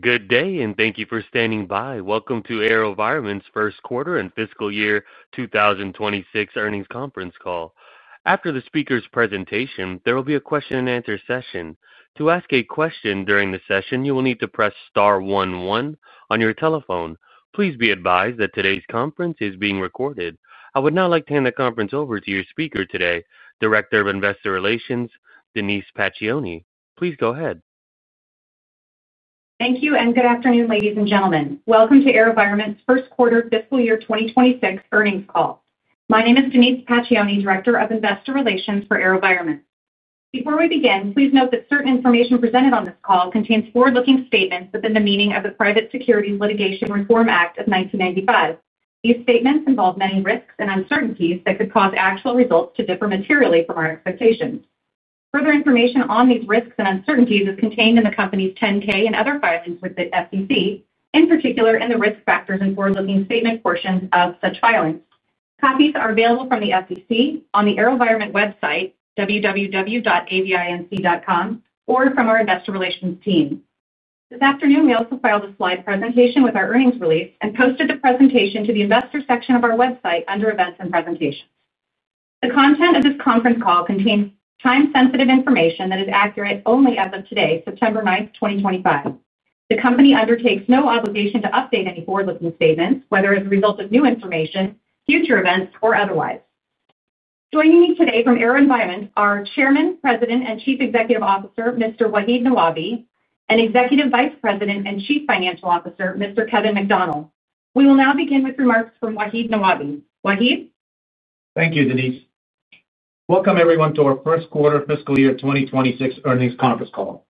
Good day, and thank you for standing by. Welcome to AeroVironment's First Quarter and Fiscal Year 2026 Earnings Conference Call. After the speaker's presentation, there will be a question and answer session. To ask a question during the session, you will need to press star one one on your telephone. Please be advised that today's conference is being recorded. I would now like to hand the conference over to your speaker today, Director of Investor Relations, Denise Pacioni. Please go ahead. Thank you, and good afternoon, ladies and gentlemen. Welcome to AeroVironment's First Quarter Fiscal Year 2026 Earnings Call. My name is Denise Pacioni, Director of Investor Relations for AeroVironment. Before we begin, please note that certain information presented on this call contains forward-looking statements within the meaning of the Private Securities Litigation Reform Act of 1995. These statements involve many risks and uncertainties that could cause actual results to differ materially from our expectations. Further information on these risks and uncertainties is contained in the company's 10-K and other filings with the SEC, in particular in the Risk Factors and forward-looking statement portions of such filings. Copies are available from the SEC, on the AeroVironment website, www.avinc.com, or from our Investor Relations team. This afternoon, we also filed a slide presentation with our earnings release and posted the presentation to the Investor section of our website under Events and Presentations. The content of this conference call contains time-sensitive information that is accurate only as of today, September 9th, 2025. The company undertakes no obligation to update any forward-looking statements, whether it is a result of new information, future events, or otherwise. Joining me today from AeroVironment are Chairman, President, and Chief Executive Officer, Mr. Wahid Nawabi, and Executive Vice President and Chief Financial Officer, Mr. Kevin McDonnell. We will now begin with remarks from Wahid Nawabi. Wahid. Thank you, Denise. Welcome everyone to our first quarter fiscal year 2026 earnings conference call.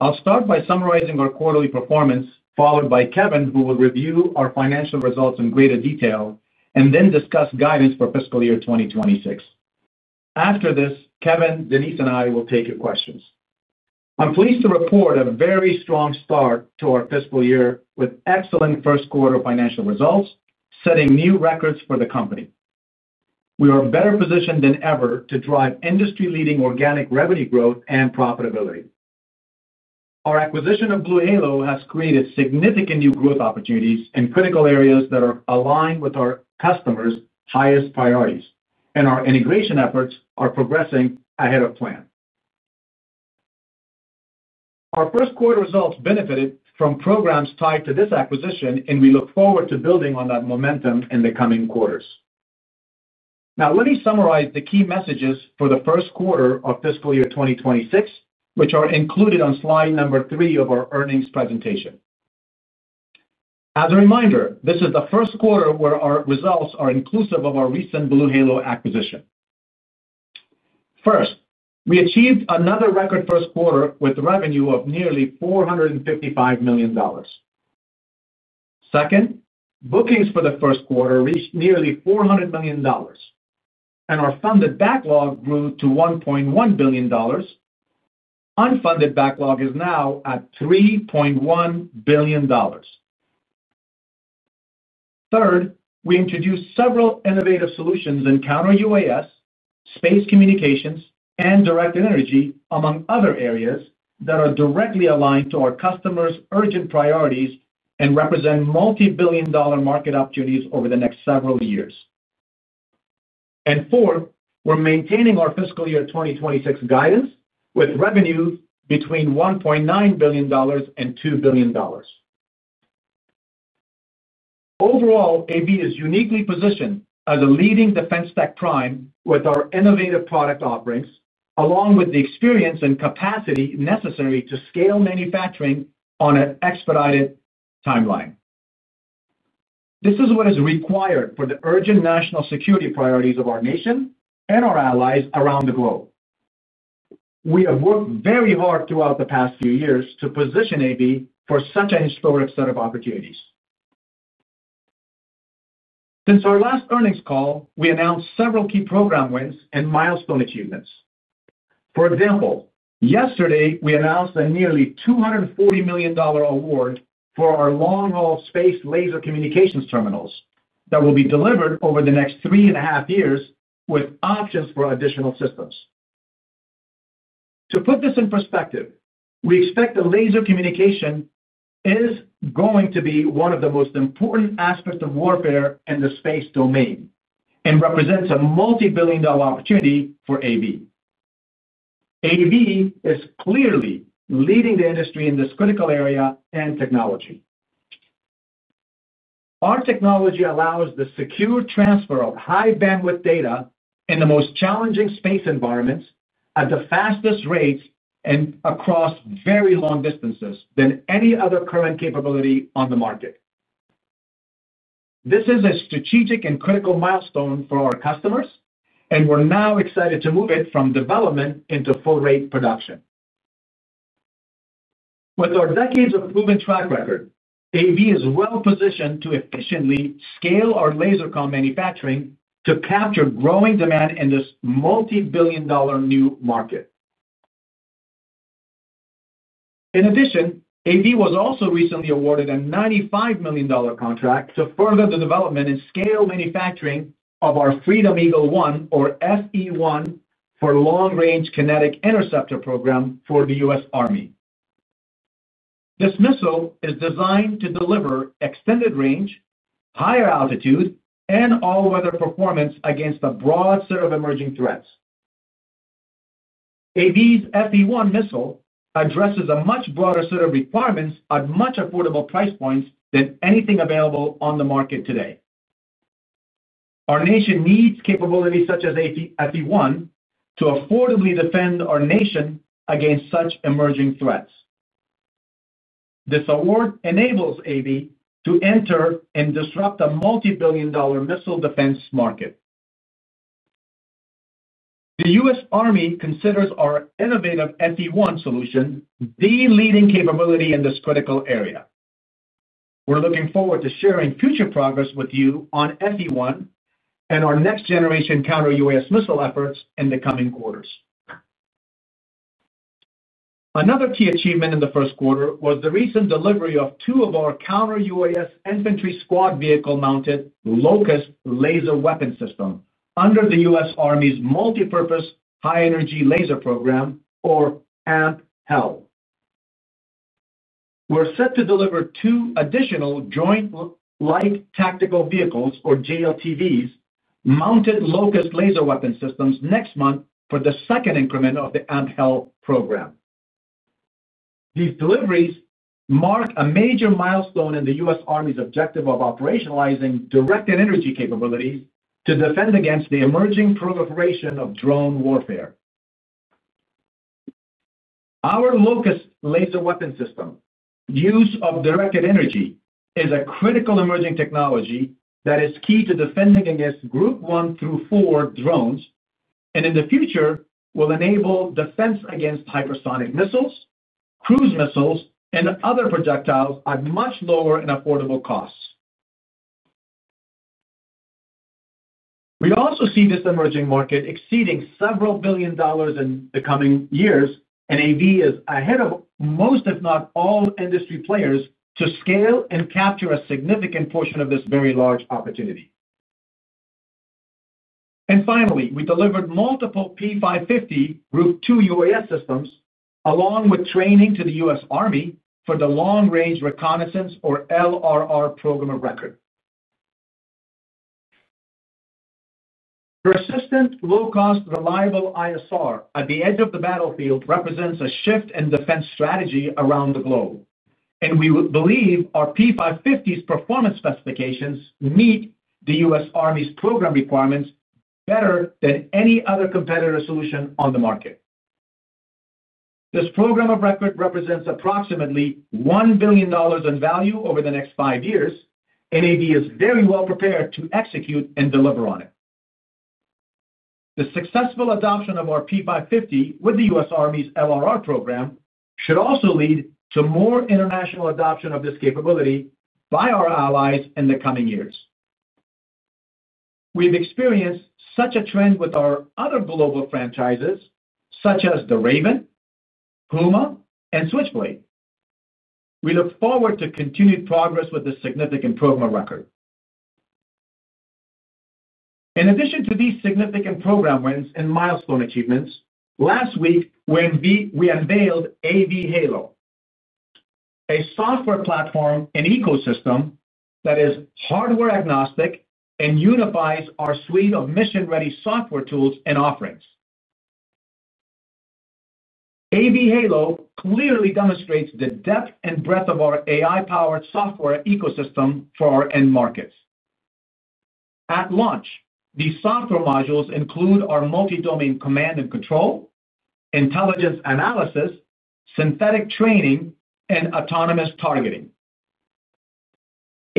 I'll start by summarizing our quarterly performance, followed by Kevin, who will review our financial results in greater detail, and then discuss guidance for fiscal year 2026. After this, Kevin, Denise, and I will take your questions. I'm pleased to report a very strong start to our fiscal year with excellent first quarter financial results, setting new records for the company. We are better positioned than ever to drive industry-leading organic revenue growth and profitability. Our acquisition of BlueHalo has created significant new growth opportunities in critical areas that are aligned with our customers' highest priorities, and our integration efforts are progressing ahead of plan. Our first quarter results benefited from programs tied to this acquisition, and we look forward to building on that momentum in the coming quarters. Now, let me summarize the key messages for the first quarter of fiscal year 2026, which are included on slide number three of our earnings presentation. As a reminder, this is the first quarter where our results are inclusive of our recent BlueHalo acquisition. First, we achieved another record first quarter with revenue of nearly $455 million. Second, bookings for the first quarter reached nearly $400 million, and our funded backlog grew to $1.1 billion. Unfunded backlog is now at $3.1 billion. Third, we introduced several innovative solutions in counter-UAS, space communications, and direct energy, among other areas that are directly aligned to our customers' urgent priorities and represent multi-billion dollar market opportunities over the next several years. Fourth, we're maintaining our fiscal year 2026 guidance with revenue between $1.9 billion and $2 billion. Overall, AV is uniquely positioned as a leading defense tech prime with our innovative product offerings, along with the experience and capacity necessary to scale manufacturing on an expedited timeline. This is what is required for the urgent national security priorities of our nation and our allies around the globe. We have worked very hard throughout the past few years to position AV for such a historic set of opportunities. Since our last earnings call, we announced several key program wins and milestone achievements. For example, yesterday we announced a nearly $240 million award for our long-haul space laser communications terminals that will be delivered over the next three and a half years, with options for additional systems. To put this in perspective, we expect that laser communication is going to be one of the most important aspects of warfare in the space domain and represents a multi-billion dollar opportunity for AV. AV is clearly leading the industry in this critical area and technology. Our technology allows the secure transfer of high-bandwidth data in the most challenging space environments at the fastest rates and across much longer distances than any other current capability on the market. This is a strategic and critical milestone for our customers, and we're now excited to move it from development into full-range production. With our decades of proven track record, AV is well positioned to efficiently scale our laser communications manufacturing to capture growing demand in this multi-billion dollar new market. In addition, AV was also recently awarded a $95 million contract to further the development and scale manufacturing of our Freedom Eagle One, or FE-1, for the long-range kinetic interceptor program for the U.S. Army. This missile is designed to deliver extended range, higher altitude, and all-weather performance against a broad set of emerging threats. AV's FE-1 missile addresses a much broader set of requirements at much more affordable price points than anything available on the market today. Our nation needs capabilities such as FE-1 to affordably defend our nation against such emerging threats. This award enables AV to enter and disrupt a multi-billion dollar missile defense market. The U.S. Army considers our innovative FE-1 solution the leading capability in this critical area. We're looking forward to sharing future progress with you on FE-1 and our next-generation counter-UAS missile efforts in the coming quarters. Another key achievement in the first quarter was the recent delivery of two of our counter-UAS infantry squad vehicle-mounted LOCUST laser weapon systems under the U.S. Army's Multipurpose High Energy Laser Program, or AMP-HEL. We're set to deliver two additional Joint Light Tactical Vehicles, or JLTVs, mounted LOCUST laser weapon systems next month for the second increment of the AMP-HEL program. These deliveries mark a major milestone in the U.S. Army's objective of operationalizing directed energy capabilities to defend against the emerging proliferation of drone warfare. Our LOCUST laser weapon system's use of directed energy is a critical emerging technology that is key to defending against Group 1 through 4 drones, and in the future will enable defense against hypersonic missiles, cruise missiles, and other projectiles at much lower and affordable costs. We also see this emerging market exceeding several billion dollars in the coming years, and AV is ahead of most, if not all, industry players to scale and capture a significant portion of this very large opportunity. Finally, we delivered multiple P550 Group 2 UAS systems, along with training to the U.S. Army for the Long- Range Reconnaissance, or LRR, program of record. Persistent, low-cost, reliable ISR at the edge of the battlefield represents a shift in defense strategy around the globe, and we believe our P550's performance specifications meet the U.S. Army's program requirements better than any other competitor solution on the market. This program of record represents approximately $1 billion in value over the next five years, and AV is very well prepared to execute and deliver on it. The successful adoption of our P550 with the U.S. Army's LRR program should also lead to more international adoption of this capability by our allies in the coming years. We've experienced such a trend with our other global franchises, such as the Raven, Puma, and Switchblade. We look forward to continued progress with this significant program of record. In addition to these significant program wins and milestone achievements, last week, we unveiled AV_Halo, a software platform and ecosystem that is hardware agnostic and unifies our suite of mission-ready software tools and offerings. AV_Halo clearly demonstrates the depth and breadth of our AI-powered software ecosystem for our end markets. At launch, the software modules include our multi-domain command and control, intelligence analysis, synthetic training, and autonomous targeting.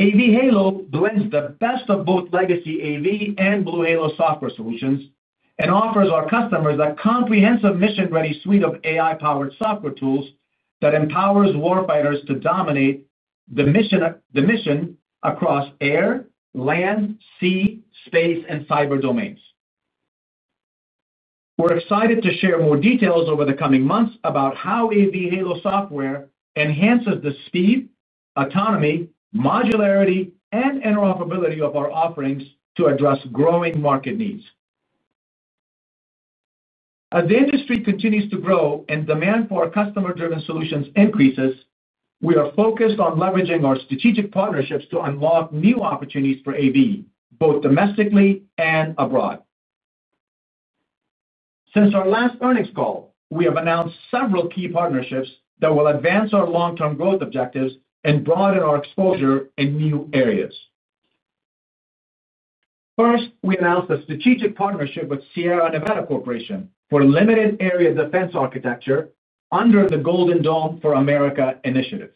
AV_Halo blends the best of both legacy AV and BlueHalo software solutions and offers our customers a comprehensive mission-ready suite of AI-powered software tools that empowers warfighters to dominate the mission across air, land, sea, space, and cyber domains. We're excited to share more details over the coming months about how AV_Halo software enhances the speed, autonomy, modularity, and interoperability of our offerings to address growing market needs. As the industry continues to grow and demand for customer-driven solutions increases, we are focused on leveraging our strategic partnerships to unlock new opportunities for AV, both domestically and abroad. Since our last earnings call, we have announced several key partnerships that will advance our long-term growth objectives and broaden our exposure in new areas. First, we announced a strategic partnership with Sierra Nevada Corporation for limited area defense architecture under the Golden Dome for America initiative.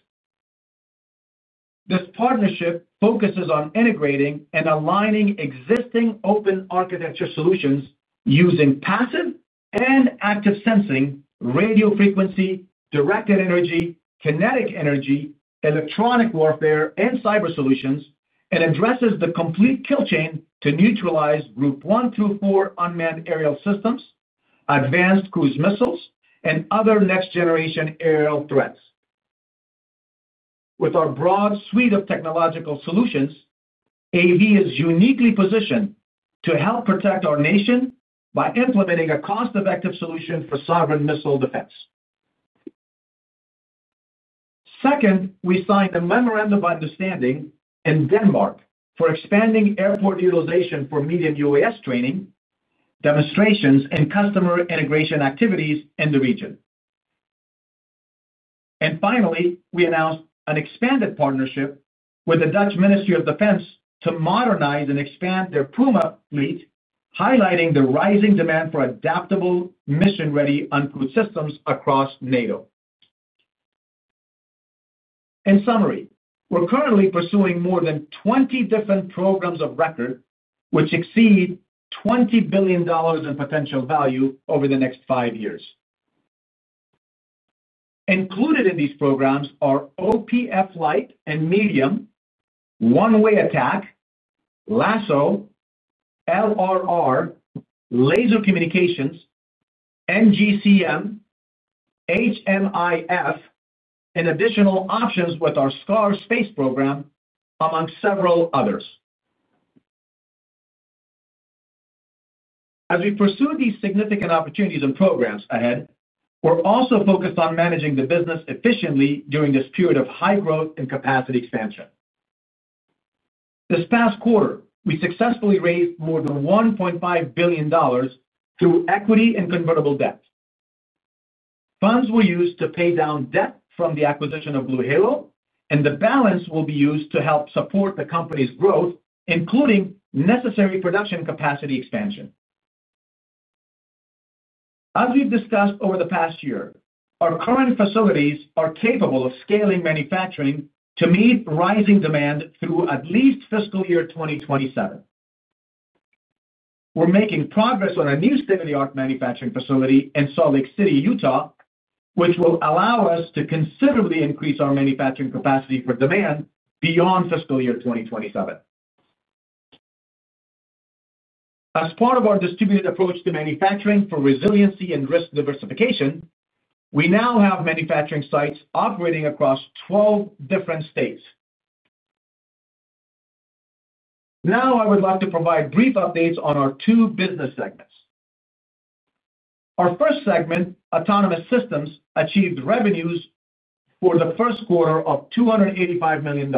This partnership focuses on integrating and aligning existing open architecture solutions using passive and active sensing, radio frequency, directed energy, kinetic energy, electronic warfare, and cyber solutions, and addresses the complete kill chain to neutralize Group 1 through 4 unmanned aerial systems, advanced cruise missiles, and other next-generation aerial threats. With our broad suite of technological solutions, AV is uniquely positioned to help protect our nation by implementing a cost-effective solution for sovereign missile defense. Second, we signed a memorandum of understanding in Denmark for expanding airport utilization for medium UAS training, demonstrations, and customer integration activities in the region. Finally, we announced an expanded partnership with the Dutch Ministry of Defense to modernize and expand their Puma fleet, highlighting the rising demand for adaptable, mission-ready uncrewed systems across NATO. In summary, we're currently pursuing more than 20 different programs of record, which exceed $20 billion in potential value over the next five years. Included in these programs are OPF light and medium, one-way attack, LASSO, LRR, laser communications, NGCM, HMIF, and additional options with our SCAR space program, among several others. As we pursue these significant opportunities and programs ahead, we're also focused on managing the business efficiently during this period of high growth and capacity expansion. This past quarter, we successfully raised more than $1.5 billion through equity and convertible debt. Funds were used to pay down debt from the acquisition of BlueHalo, and the balance will be used to help support the company's growth, including necessary production capacity expansion. As we've discussed over the past year, our current facilities are capable of scaling manufacturing to meet rising demand through at least fiscal year 2027. We're making progress on a new state-of-the-art manufacturing facility in Salt Lake City, Utah, which will allow us to considerably increase our manufacturing capacity for demand beyond fiscal year 2027. As part of our distributed approach to manufacturing for resiliency and risk diversification, we now have manufacturing sites operating across 12 different states. Now, I would like to provide brief updates on our two business segments. Our first segment, autonomous systems, achieved revenues for the first quarter of $285 million.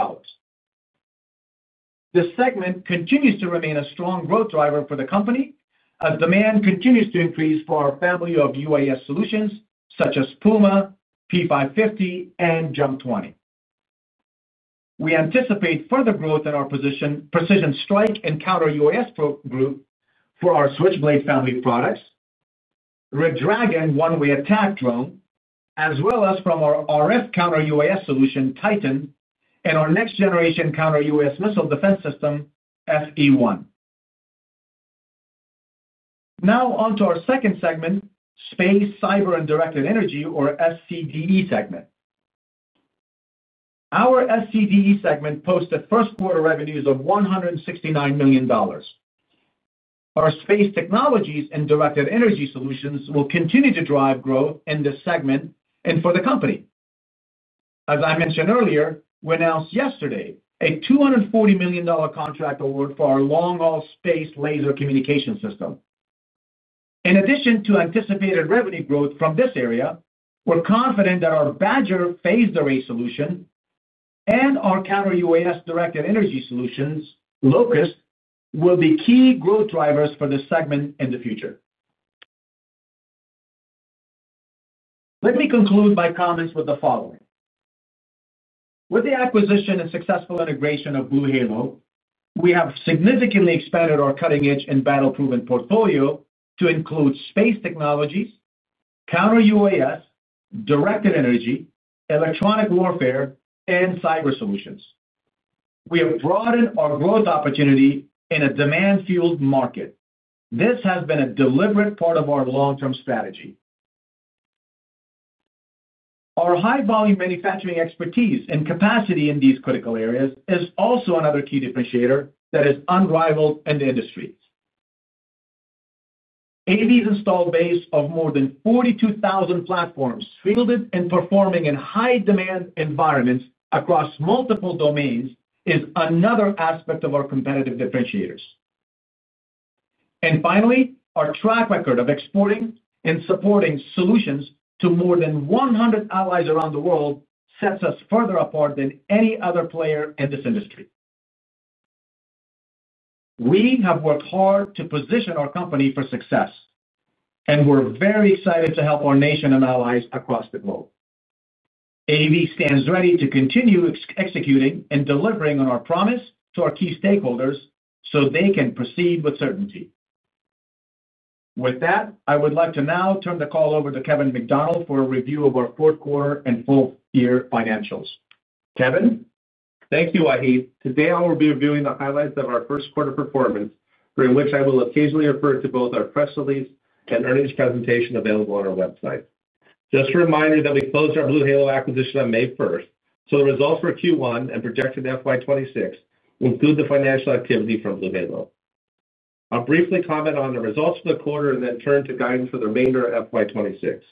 This segment continues to remain a strong growth driver for the company as demand continues to increase for our family of UAS solutions such as Puma, P550, and JUMP 20. We anticipate further growth in our precision strike and counter-UAS group for our Switchblade family of products, Red Dragon one-way attack drone, as well as from our RF counter-UAS solution, Titan, and our next-generation counter-UAS missile defense system, Freedom Eagle One (FE-1). Now onto our second segment, space, cyber, and directed energy, or SCDE segment. Our SCDE segment posted first quarter revenues of $169 million. Our space technologies and directed energy solutions will continue to drive growth in this segment and for the company. As I mentioned earlier, we announced yesterday a $240 million contract award for our long-haul space laser communications system. In addition to anticipated revenue growth from this area, we're confident that our BADGER phased array solution and our counter-UAS directed energy solutions, LOCUST, will be key growth drivers for this segment in the future. Let me conclude my comments with the following. With the acquisition and successful integration of BlueHalo, we have significantly expanded our cutting-edge and battle-proven portfolio to include space technologies, counter-UAS, directed energy, electronic warfare, and cyber solutions. We have broadened our growth opportunity in a demand-fueled market. This has been a deliberate part of our long-term strategy. Our high-volume manufacturing expertise and capacity in these critical areas is also another key differentiator that is unrivaled in the industry. AV's installed base of more than 42,000 platforms fielded and performing in high-demand environments across multiple domains is another aspect of our competitive differentiators. Finally, our track record of exporting and supporting solutions to more than 100 allies around the world sets us further apart than any other player in this industry. We have worked hard to position our company for success, and we're very excited to help our nation and allies across the globe. AV stands ready to continue executing and delivering on our promise to our key stakeholders so they can proceed with certainty. With that, I would like to now turn the call over to Kevin McDonnell for a review of our fourth quarter and full-year financials. Kevin. Thank you, Wahid. Today, I will be reviewing the highlights of our first quarter performance, for which I will occasionally refer to both our press release and earnings presentation available on our website. Just a reminder that we closed our BlueHalo acquisition on May 1st, so the results for Q1 and projected FY 2026 will include the financial activity from BlueHalo. I'll briefly comment on the results for the quarter and then turn to guidance for the remainder of FY 2026.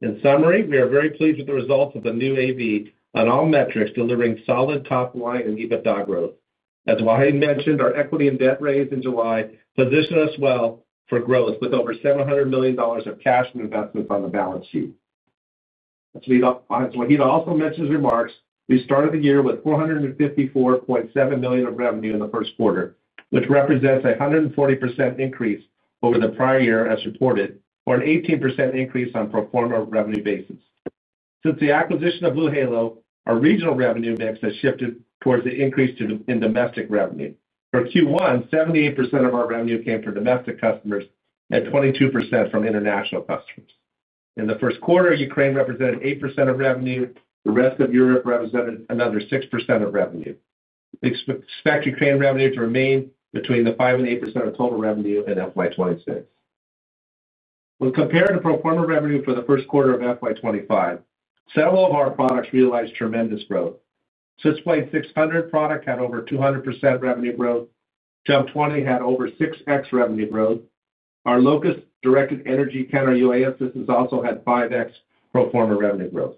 In summary, we are very pleased with the results of the new AV on all metrics, delivering solid top line and EBITDA growth. As Wahid mentioned, our equity and debt raise in July positioned us well for growth, with over $700 million of cash and investments on the balance sheet. As Wahid also mentioned in his remarks, we started the year with $454.7 million of revenue in the first quarter, which represents a 140% increase over the prior year as reported, or an 18% increase on a per quarter revenue basis. Since the acquisition of BlueHalo, our regional revenue index has shifted towards the increase in domestic revenue. For Q1, 78% of our revenue came from domestic customers and 22% from international customers. In the first quarter, Ukraine represented 8% of revenue. The rest of Europe represented another 6% of revenue. We expect Ukraine revenue to remain between the 5% and 8% of total revenue in FY 2026. When compared to per quarter revenue for the first quarter of FY 2025, several of our products realized tremendous growth. Switchblade 600 had over 200% revenue growth. JUMP 20 had over 6x revenue growth. Our LOCUST directed energy counter-UAS business also had 5x per quarter revenue growth.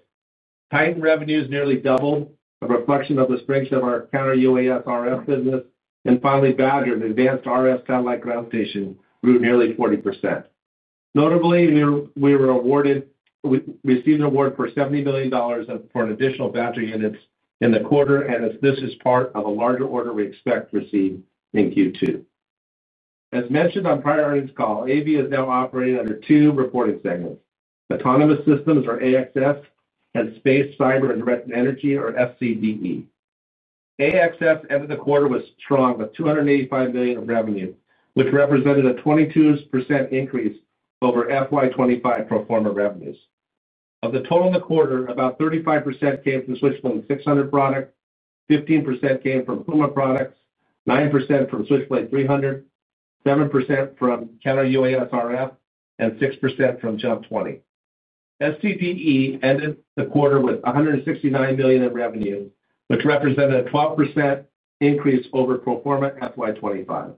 Titan revenues nearly doubled, a reflection of the strength of our counter-UAS RF business, and finally, BADGER, the advanced RF satellite ground station, grew nearly 40%. Notably, we received an award for $70 million for an additional BADGER unit in the quarter, and this is part of a larger order we expect to receive in Q2. As mentioned on prior earnings calls, AV is now operating under two reported segments: Autonomous Systems, or AxS, and Space, Cyber, and Directed Energy, or SCDE. AxS ended the quarter strong with $285 million of revenue, which represented a 22% increase over FY 2025 per quarter revenues. Of the total in the quarter, about 35% came from Switchblade 600 product, 15% came from Puma product, 9% from Switchblade 300, 7% from counter-UAS RF, and 6% from JUMP 20. SCDE ended the quarter with $169 million in revenue, which represented a 12% increase over prior quarter FY 2025.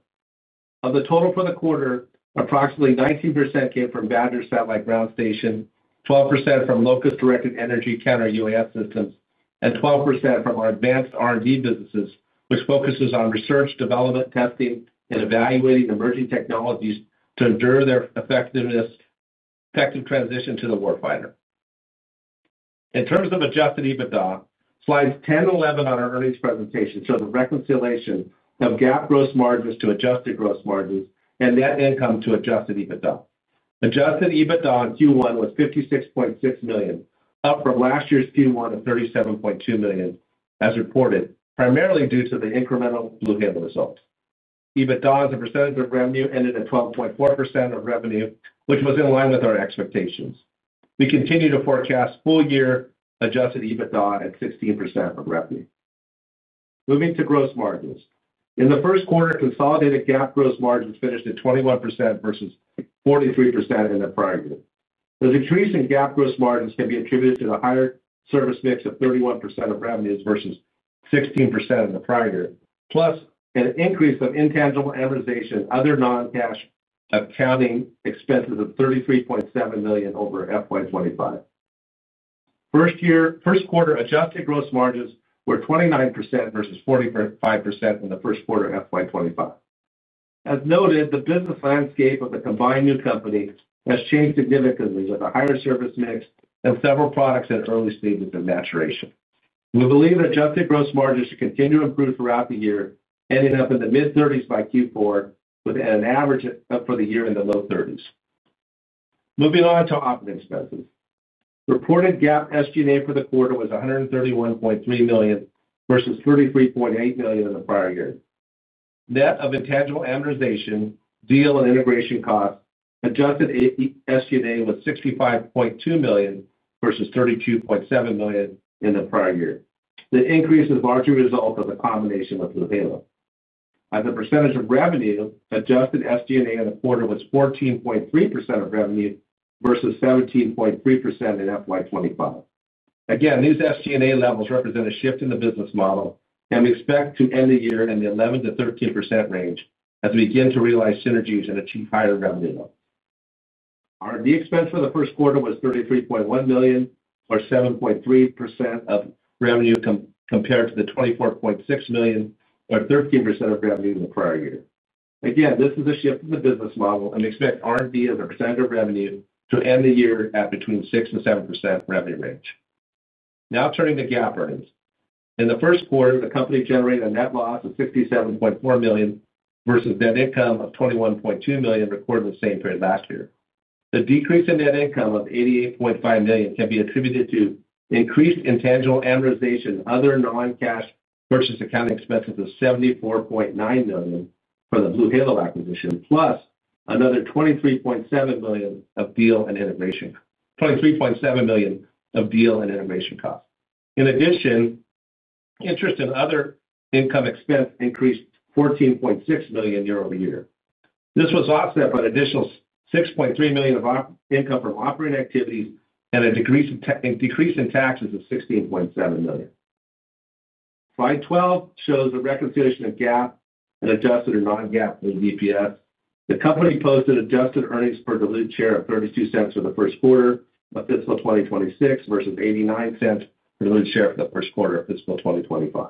Of the total for the quarter, approximately 19% came from BADGER's satellite ground station, 12% from LOCUST directed energy counter-UAS systems, and 12% from our advanced R&D businesses, which focuses on research, development, testing, and evaluating emerging technologies to ensure their effective transition to the warfighter. In terms of adjusted EBITDA, slides 10 - 11 on our earnings presentation show the reconciliation of GAAP gross margins to adjusted gross margins and net income to adjusted EBITDA. Adjusted EBITDA in Q1 was $56.6 million, up from last year's Q1 of $37.2 million, as reported, primarily due to the incremental BlueHalo result. EBITDA as a percentage of revenue ended at 12.4% of revenue, which was in line with our expectations. We continue to forecast full-year adjusted EBITDA at 16% of revenue. Moving to gross margins, in the first quarter, consolidated GAAP gross margins finished at 21% versus 43% in the prior year. The decrease in GAAP gross margins can be attributed to the higher service mix of 31% of revenues versus 16% in the prior year, plus an increase of intangible amortization, other non-cash accounting expenses of $33.7 million over FY 2025. First quarter adjusted gross margins were 29% versus 45% in the first quarter of FY 2025. As noted, the business landscape of the combined new company has changed significantly with a higher service mix and several products in early stages of maturation. We believe adjusted gross margins to continue to improve throughout the year, ending up in the mid-30s by Q4, with an average for the year in the low 30s. Moving on to operating expenses, reported GAAP SG&A for the quarter was $131.3 million versus $33.8 million in the prior year. Net of intangible amortization, deal, and integration costs, adjusted SG&A was $65.2 million versus $32.7 million in the prior year. The increase is largely a result of the combination with BlueHalo. As a percentage of revenue, adjusted SG&A in the quarter was 14.3% of revenue versus 17.3% in FY 2025. Again, these SG&A levels represent a shift in the business model, and we expect to end the year in the 11% - 13% range as we begin to realize synergies and achieve higher revenue levels. Our new expense for the first quarter was $33.1 million, or 7.3% of revenue, compared to $24.6 million, or 13% of revenue in the prior year. Again, this is a shift in the business model, and we expect R&D as a percentage of revenue to end the year at between 6% - 7% revenue range. Now turning to GAAP earnings, in the first quarter, the company generated a net loss of $67.4 million versus net income of $21.2 million reported in the same period last year. The decrease in net income of $88.5 million can be attributed to increased intangible amortization, other non-cash purchase accounting expenses of $74.9 million for the BlueHalo acquisition, plus another $23.7 million of deal and integration costs. In addition, interest and other income expenses increased $14.6 million year- over- year. This was offset by an additional $6.3 million of income from operating activities and a decrease in taxes of $16.7 million. Slide 12 shows the reconciliation of GAAP and adjusted and non-GAAP with EPS. The company posted adjusted earnings per diluted share of $0.32 for the first quarter of fiscal 2026 versus $0.89 per diluted share for the first quarter of fiscal 2025.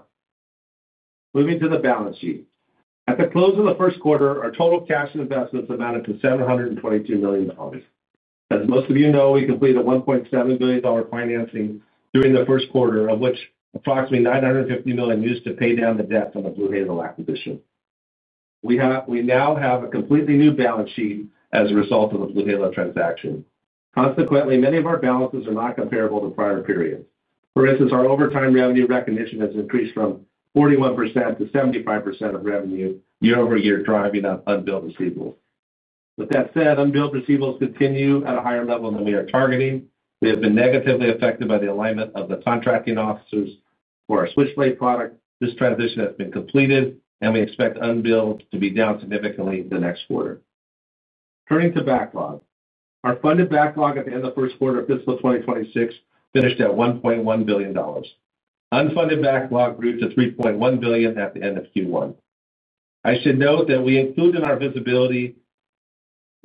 Moving to the balance sheet, at the close of the first quarter, our total cash and investments amounted to $722 million. As most of you know, we completed a $1.7 billion financing during the first quarter, of which approximately $950 million was used to pay down the debt from the BlueHalo acquisition. We now have a completely new balance sheet as a result of the BlueHalo transaction. Consequently, many of our balances are not comparable to prior periods. For instance, our overtime revenue recognition has increased from 41% to 75% of revenue year- over- year, driving up unbilled receivables. With that said, unbilled receivables continue at a higher level than we are targeting. They have been negatively affected by the alignment of the contracting officers for our Switchblade product. This transition has been completed, and we expect unbilled to be down significantly in the next quarter. Turning to backlog, our funded backlog at the end of the first quarter of fiscal 2026 finished at $1.1 billion. Unfunded backlog grew to $3.1 billion at the end of Q1. I should note that we included in our visibility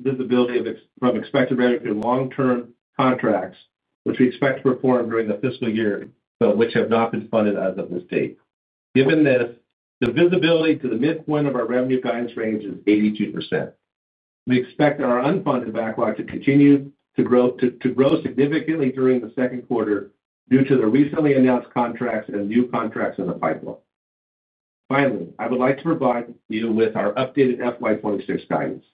from expected revenue for long-term contracts, which we expect to perform during the fiscal year, but which have not been funded as of this date. Given this, the visibility to the midpoint of our revenue guidance range is 82%. We expect our unfunded backlog to continue to grow significantly during the second quarter due to the recently announced contracts and new contracts in the pipeline. Finally, I would like to provide you with our updated FY 2026 guidance.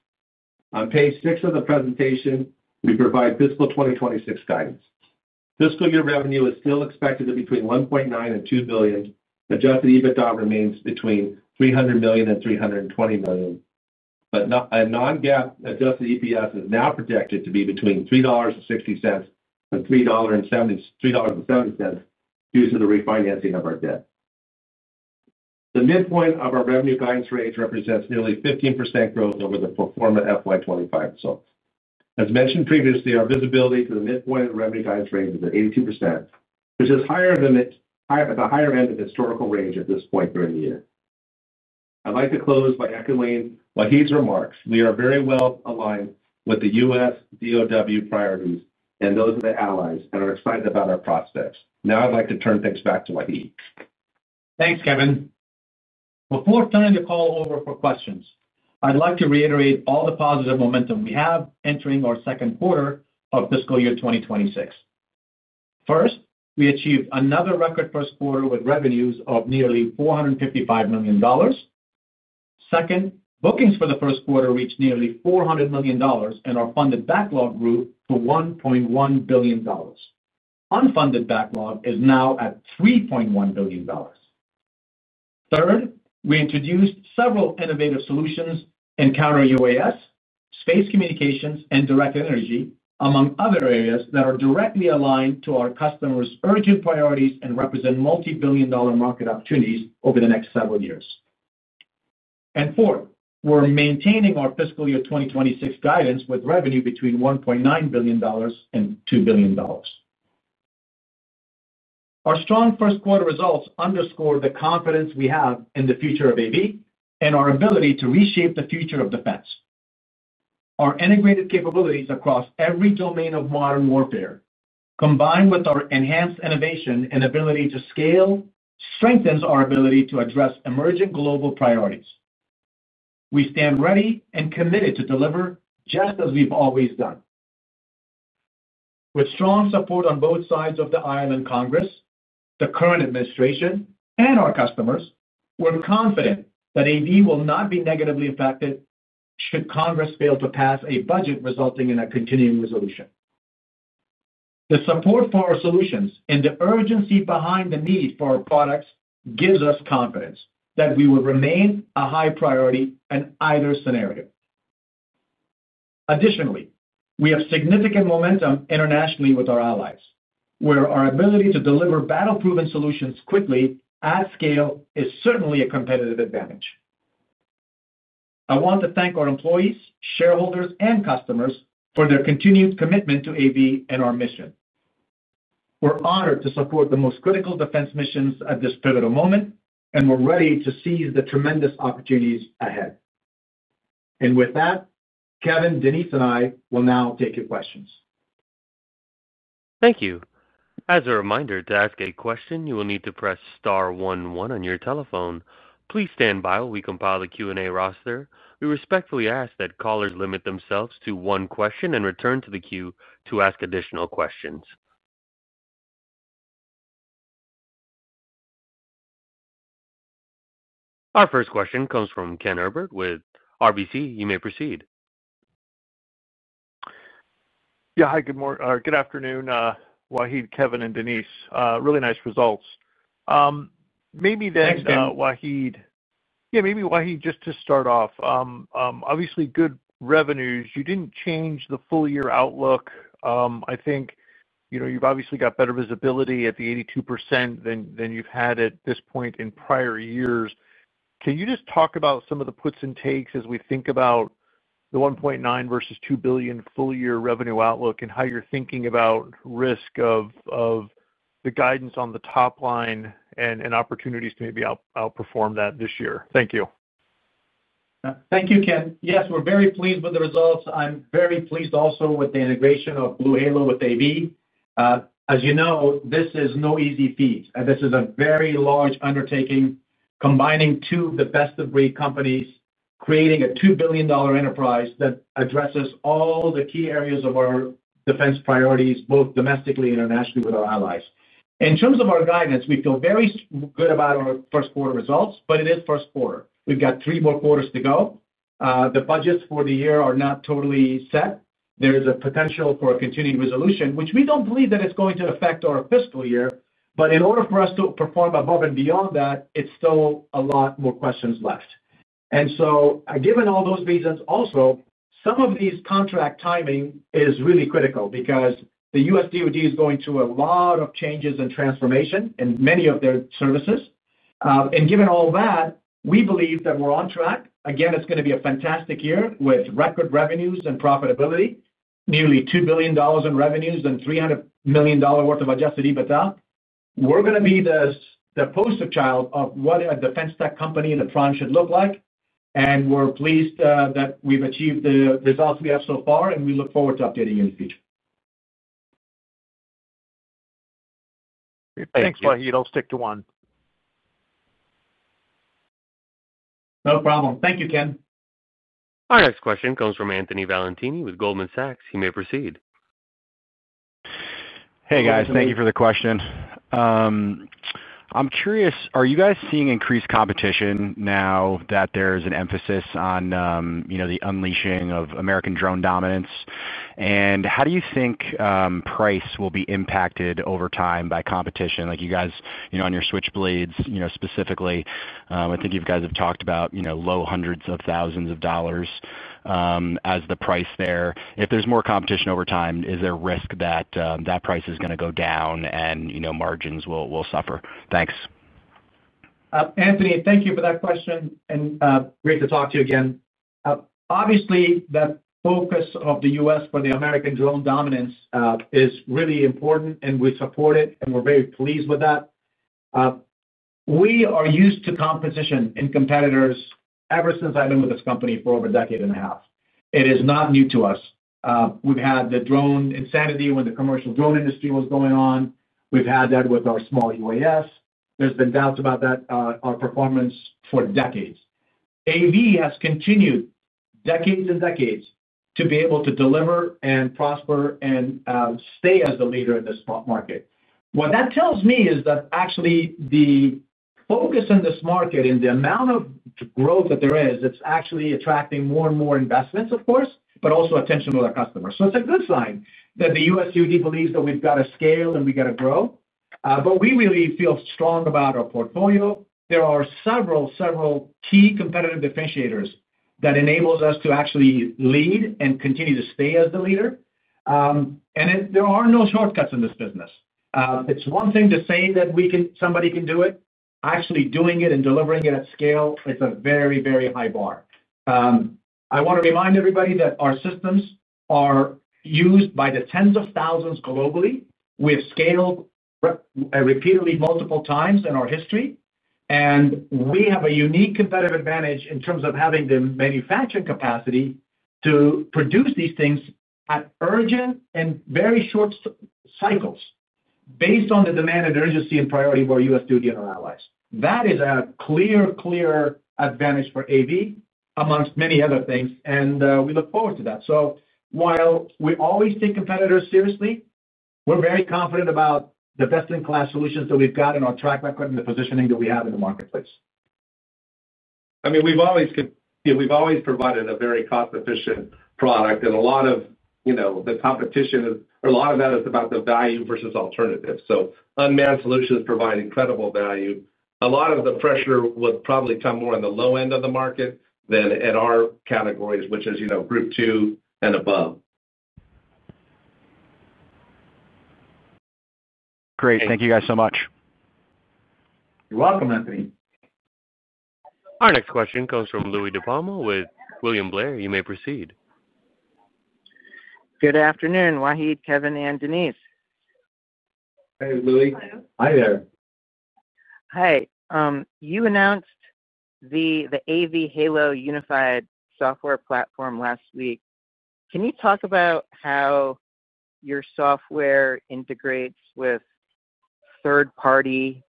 On page six of the presentation, we provide fiscal 2026 guidance. Fiscal year revenue is still expected to be between $1.9 billion and $2 billion. Adjusted EBITDA remains between $300 million and $320 million, but non-GAAP adjusted EPS is now projected to be between $3.60 and $3.70 due to the refinancing of our debt. The midpoint of our revenue guidance range represents nearly 15% growth over the prior FY 2025. As mentioned previously, our visibility to the midpoint of the revenue guidance range is at 82%, which is higher than at the higher end of the historical range at this point during the year. I'd like to close by echoing Wahid's remarks. We are very well aligned with the U.S. DoW priorities and those of the allies, and I'm excited about our prospects. Now I'd like to turn things back to Wahid. Thanks, Kevin. Before it's time to call over for questions, I'd like to reiterate all the positive momentum we have entering our second quarter of fiscal year 2026. First, we achieved another record first quarter with revenues of nearly $455 million. Second, bookings for the first quarter reached nearly $400 million and our funded backlog grew to $1.1 billion. Unfunded backlog is now at $3.1 billion. Third, we introduced several innovative solutions in counter-UAS, space communications, and directed energy, among other areas that are directly aligned to our customers' urgent priorities and represent multi-billion dollar market opportunities over the next several years. Fourth, we're maintaining our fiscal year 2026 guidance with revenue between $1.9 billion and $2 billion. Our strong first quarter results underscore the confidence we have in the future of AV and our ability to reshape the future of defense. Our integrated capabilities across every domain of modern warfare, combined with our enhanced innovation and ability to scale, strengthen our ability to address emerging global priorities. We stand ready and committed to deliver just as we've always done. With strong support on both sides of the aisle in Congress, the current administration, and our customers, we're confident that AV will not be negatively affected should Congress fail to pass a budget resulting in a continuing resolution. The support for our solutions and the urgency behind the need for our products gives us confidence that we will remain a high priority in either scenario. Additionally, we have significant momentum internationally with our allies, where our ability to deliver battle-proven solutions quickly at scale is certainly a competitive advantage. I want to thank our employees, shareholders, and customers for their continued commitment to AV and our mission. We're honored to support the most critical defense missions at this pivotal moment, and we're ready to seize the tremendous opportunities ahead. With that, Kevin, Denise, and I will now take your questions. Thank you. As a reminder, to ask a question, you will need to press star one one on your telephone. Please stand by while we compile the Q&A roster. We respectfully ask that callers limit themselves to one question and return to the queue to ask additional questions. Our first question comes from Ken Herbert with RBC. You may proceed. Yeah, hi, good morning. Good afternoon, Wahid, Kevin, and Denise. Really nice results. Maybe then, Wahid, just to start off, obviously good revenues. You didn't change the full-year outlook. I think you've obviously got better visibility at the 82% than you've had at this point in prior years. Can you just talk about some of the puts and takes as we think about the $1.9 billion versus $2 billion full-year revenue outlook and how you're thinking about risk of the guidance on the top line and opportunities to maybe outperform that this year? Thank you. Thank you, Ken. Yes, we're very pleased with the results. I'm very pleased also with the integration of BlueHalo with AV. As you know, this is no easy feat. This is a very large undertaking, combining two of the best-of-breed companies, creating a $2 billion enterprise that addresses all the key areas of our defense priorities, both domestically and internationally with our allies. In terms of our guidance, we feel very good about our first quarter results, but it is first quarter. We've got three more quarters to go. The budgets for the year are not totally set. There is a potential for a continued resolution, which we don't believe that it's going to affect our fiscal year. In order for us to perform above and beyond that, it's still a lot more questions left. Given all those reasons also, some of these contract timing is really critical because the U.S. DoD is going through a lot of changes and transformation in many of their services. Given all that, we believe that we're on track. It's going to be a fantastic year with record revenues and profitability, nearly $2 billion in revenues and $300 million worth of adjusted EBITDA. We're going to be the poster child of what a defense tech company in the front should look like. We're pleased that we've achieved the results we have so far, and we look forward to updating you. Thanks, Wahid. I'll stick to one. No problem. Thank you, Kevin. Our next question comes from Anthony Valentini with Goldman Sachs. You may proceed. Hey, guys, thank you for the question. I'm curious, are you guys seeing increased competition now that there's an emphasis on, you know, the unleashing of American drone dominance? How do you think price will be impacted over time by competition? Like you guys, you know, on your Switchblades, you know, specifically, I think you guys have talked about, you know, low hundreds of thousands of dollars as the price there. If there's more competition over time, is there risk that that price is going to go down and, you know, margins will suffer? Thanks. Anthony, thank you for that question and great to talk to you again. Obviously, the focus of the U.S. for the American drone dominance is really important, and we support it, and we're very pleased with that. We are used to competition and competitors ever since I've been with this company for over a decade and a half. It is not new to us. We've had the drone insanity when the commercial drone industry was going on. We've had that with our small UAS. There's been doubts about that, our performance for decades. AV has continued decades and decades to be able to deliver and prosper and stay as the leader in this market. What that tells me is that actually the focus in this market and the amount of growth that there is, it's actually attracting more and more investments, of course, but also attention with our customers. It's a good sign that the U.S. DoD believes that we've got to scale and we've got to grow. We really feel strong about our portfolio. There are several, several key competitive differentiators that enable us to actually lead and continue to stay as the leader. There are no shortcuts in this business. It's one thing to say that somebody can do it. Actually doing it and delivering it at scale, it's a very, very high bar. I want to remind everybody that our systems are used by the tens of thousands globally. We have scaled repeatedly multiple times in our history, and we have a unique competitive advantage in terms of having the manufacturing capacity to produce these things at urgent and very short cycles based on the demand and urgency and priority of our U.S. DoD and our allies. That is a clear, clear advantage for AV, amongst many other things, and we look forward to that. While we always take competitors seriously, we're very confident about the best-in-class solutions that we've got in our track record and the positioning that we have in the marketplace. We've always provided a very cost-efficient product, and a lot of the competition, a lot of that is about the value versus alternative. Unmanned solutions provide incredible value. A lot of the pressure would probably come more on the low end of the market than at our categories, which is Group 2 and above. Great. Thank you guys so much. You're welcome, Anthony. Our next question comes from Louie DiPalma with William Blair. You may proceed. Good afternoon, Wahid, Kevin, and Denise. Hey, Louie. Hi there. Hey, you announced the AV_Halo unified software platform last week. Can you talk about how your software integrates with third-party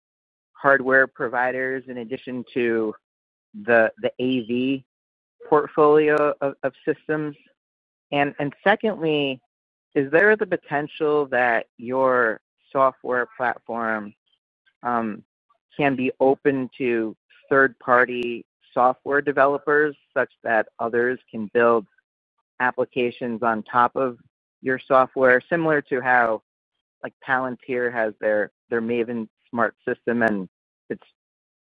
hardware providers in addition to the AV portfolio of systems? Secondly, is there the potential that your software platform can be open to third-party software developers such that others can build applications on top of your software, similar to how, like, Palantir has their Maven Smart system, and it's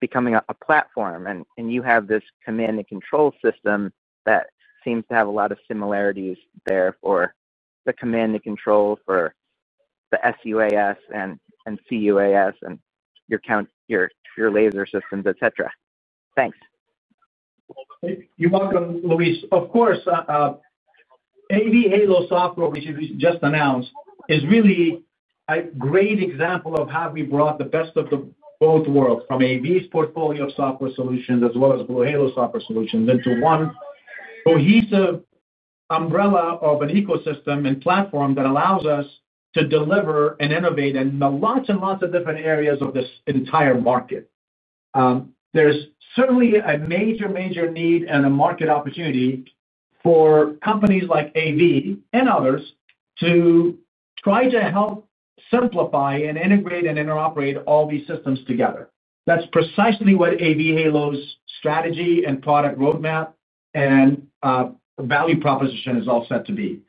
becoming a platform, and you have this command and control system that seems to have a lot of similarities there for the command and control, for the sUAS and C-UAS, and your laser systems, etc. Thanks. You're welcome, Louie. Of course, AV_Halo software, which we just announced, is really a great example of how we brought the best of both worlds from AV's portfolio of software solutions as well as BlueHalo software solutions into one cohesive umbrella of an ecosystem and platform that allows us to deliver and innovate in lots and lots of different areas of this entire market. There's certainly a major, major need and a market opportunity for companies like AV and others to try to help simplify and integrate and interoperate all these systems together. That's precisely what AV_Halo's strategy and product roadmap and value proposition is all set to be.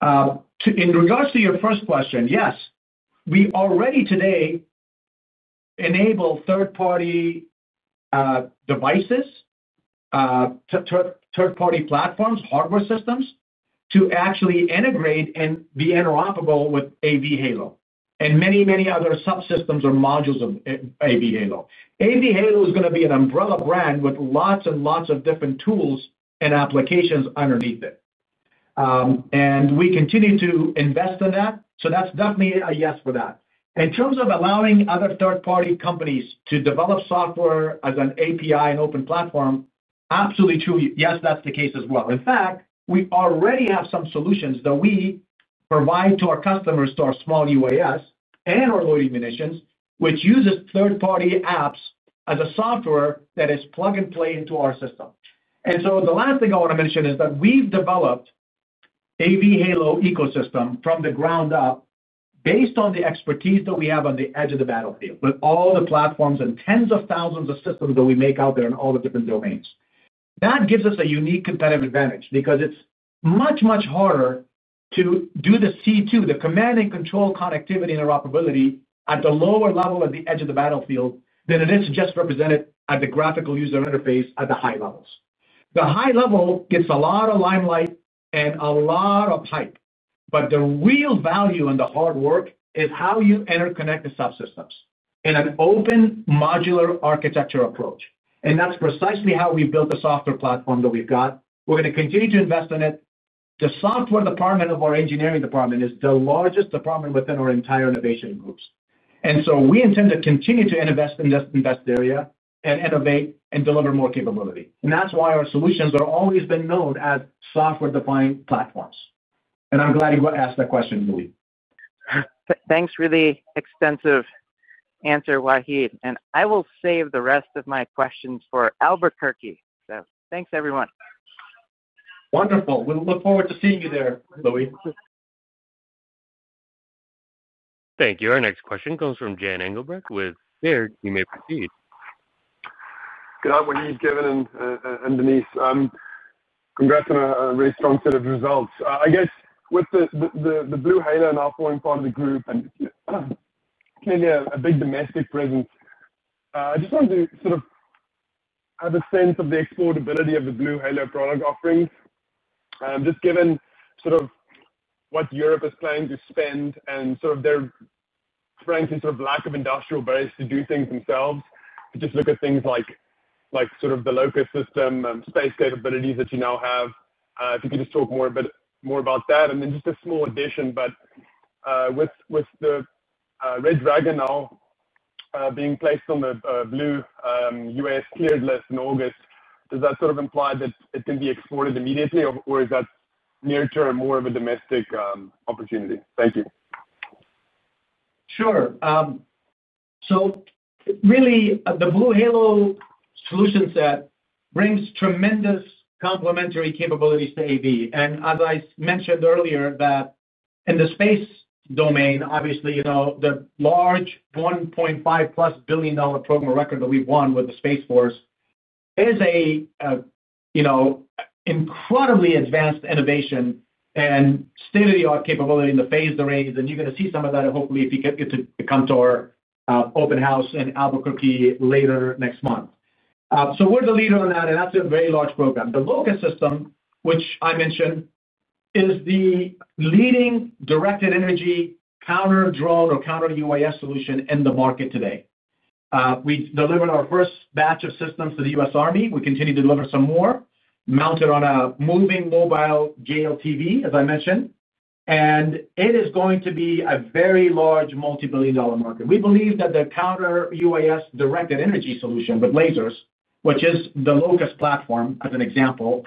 In regards to your first question, yes, we already today enable third-party devices, third-party platforms, hardware systems to actually integrate and be interoperable with AV_Halo and many, many other subsystems or modules of AV_Halo. AV_Halo is going to be an umbrella brand with lots and lots of different tools and applications underneath it. We continue to invest in that. That's definitely a yes for that. In terms of allowing other third-party companies to develop software as an API and open platform, absolutely true. Yes, that's the case as well. In fact, we already have some solutions that we provide to our customers through our small UAS and our loitering munitions, which uses third-party apps as a software that is plug and play into our system. The last thing I want to mention is that we've developed the AV_Halo ecosystem from the ground up based on the expertise that we have on the edge of the battlefield with all the platforms and tens of thousands of systems that we make out there in all the different domains. That gives us a unique competitive advantage because it's much, much harder to do the C2, the command and control connectivity interoperability at the lower level of the edge of the battlefield than it is just represented at the graphical user interface at the high levels. The high level gets a lot of limelight and a lot of hype, but the real value and the hard work is how you interconnect the subsystems in an open modular architecture approach. That's precisely how we've built the software platform that we've got. We're going to continue to invest in it. The software department of our engineering department is the largest department within our entire innovation groups. We intend to continue to invest in this area and innovate and deliver more capability. That's why our solutions have always been known as software-defined platforms. I'm glad you asked that question, Louie. Thanks for the extensive answer, Wahid. I will save the rest of my questions for Albuquerque. Thanks, everyone. Wonderful. We look forward to seeing you there, Louie. Thank you. Our next question comes from Jan Engelbrecht with Baird. You may proceed. Good afternoon, Kevin, and Denise. Congrats on a very strong set of results. With the BlueHalo and offline part of the group and clearly a big domestic presence, I just wanted to have a sense of the exportability of the BlueHalo product offerings. Just given what Europe is planning to spend and their, frankly, lack of industrial base to do things themselves, if you just look at things like the LOCUST system and space capabilities that you now have, if you could just talk more about that. A small addition, with the Red Dragon now being placed on the Blue UAS cleared list in August, does that imply that it can be exported immediately, or is that near-term more of a domestic opportunity? Thank you. Sure. The BlueHalo solution set brings tremendous complementary capabilities to AV. As I mentioned earlier, in the space domain, the large $1.5+ billion program of record that we've won with the Space Force is an incredibly advanced innovation and state-of-the-art capability in the phased array. You're going to see some of that, hopefully, if you come to our open house in Albuquerque later next month. We're the leader in that, and that's a very large program. The LOCUST system, which I mentioned, is the leading directed energy counter-UAS solution in the market today. We delivered our first batch of systems to the U.S. Army. We continue to deliver some more, mounted on a moving mobile JL TV, as I mentioned. It is going to be a very large multi-billion dollar market. We believe that the counter-UAS directed energy solution with lasers, which is the LOCUST platform as an example,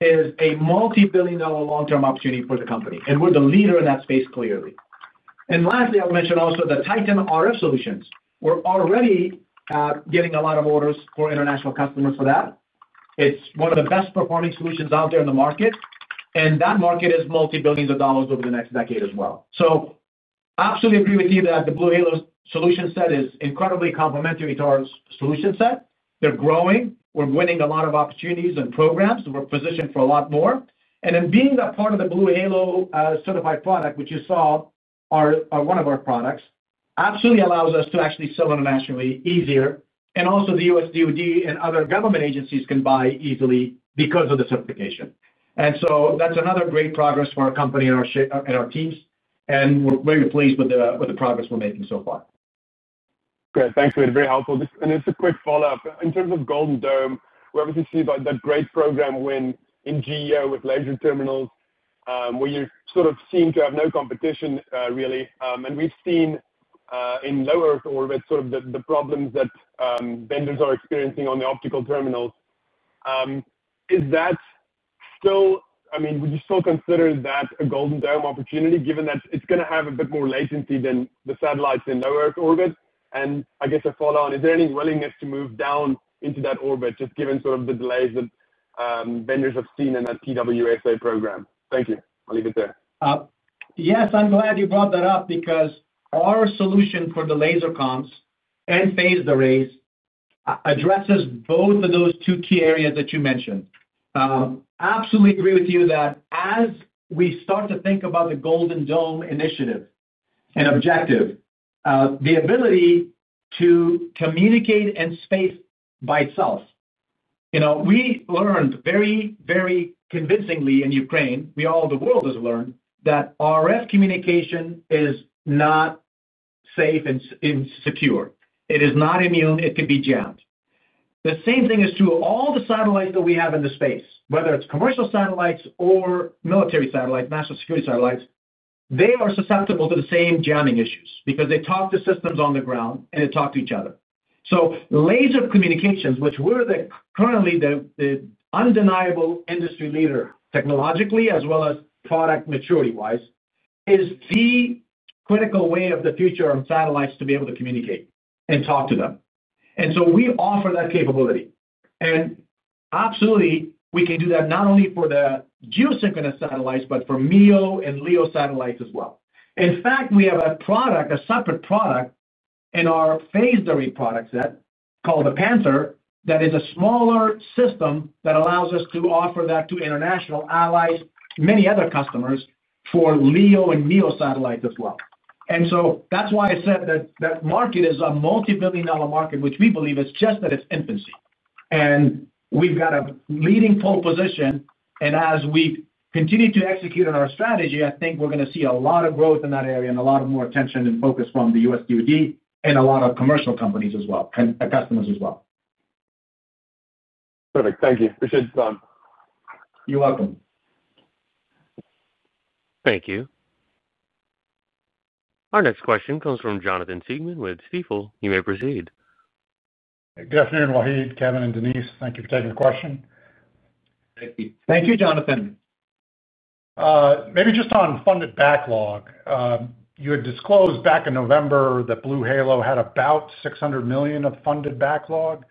is a multi-billion dollar long-term opportunity for the company. We're the leader in that space clearly. Lastly, I would mention also the Titan RF solutions. We're already getting a lot of orders for international customers for that. It's one of the best performing solutions out there in the market. That market is multi-billions of dollars over the next decade as well. I absolutely agree with you that the BlueHalo solution set is incredibly complementary to our solution set. They're growing. We're winning a lot of opportunities and programs. We're positioned for a lot more. Being part of the BlueHalo certified product, which you saw, are one of our products, absolutely allows us to actually sell internationally easier. Also, the U.S. DoD and other government agencies can buy easily because of the certification. That's another great progress for our company and our teams. We're very pleased with the progress we're making so far. Great. Thanks, Wahid. Very helpful. Just a quick follow-up. In terms of Golden Dome, we obviously see that great program win in GEO with laser terminals where you sort of seem to have no competition really. We've seen in low Earth orbit the problems that vendors are experiencing on the optical terminals. Is that still, I mean, would you still consider that a Golden Dome opportunity given that it's going to have a bit more latency than the satellites in low Earth orbit? I guess a follow-on, is there any willingness to move down into that orbit just given the delays that vendors have seen in that PWSA program? Thank you. I'll leave it there. Yes, I'm glad you brought that up because our solution for the laser comms and phased arrays addresses both of those two key areas that you mentioned. I absolutely agree with you that as we start to think about the Golden Dome initiative and objective, the ability to communicate in space by itself, you know, we learned very, very convincingly in Ukraine, we all, the world has learned that RF communication is not safe and secure. It is not immune. It could be jammed. The same thing is true of all the satellites that we have in space, whether it's commercial satellites or military satellites, national security satellites. They are susceptible to the same jamming issues because they talk to systems on the ground and they talk to each other. Laser communications, where we're currently the undeniable industry leader technologically as well as product maturity-wise, is the critical way of the future on satellites to be able to communicate and talk to them. We offer that capability. Absolutely, we can do that not only for the geosynchronous satellites, but for MEO and LEO satellites as well. In fact, we have a product, a separate product in our phased array product set called the Panther that is a smaller system that allows us to offer that to international allies, many other customers for LEO and MEO satellites as well. That's why I said that that market is a multi-billion dollar market, which we believe is just at its infancy. We've got a leading pole position. As we continue to execute on our strategy, I think we're going to see a lot of growth in that area and a lot more attention and focus from the U.S. DoD and a lot of commercial companies and customers as well. Perfect. Thank you. Appreciate the time. You're welcome. Thank you. Our next question comes from Jonathan Siegmann with Stifel. You may proceed. Good afternoon, Wahid, Kevin, and Denise. Thank you for taking the question. Thank you, Jonathan. Maybe just on funded backlog, you had disclosed back in November that BlueHalo had about $600 million of funded backlog.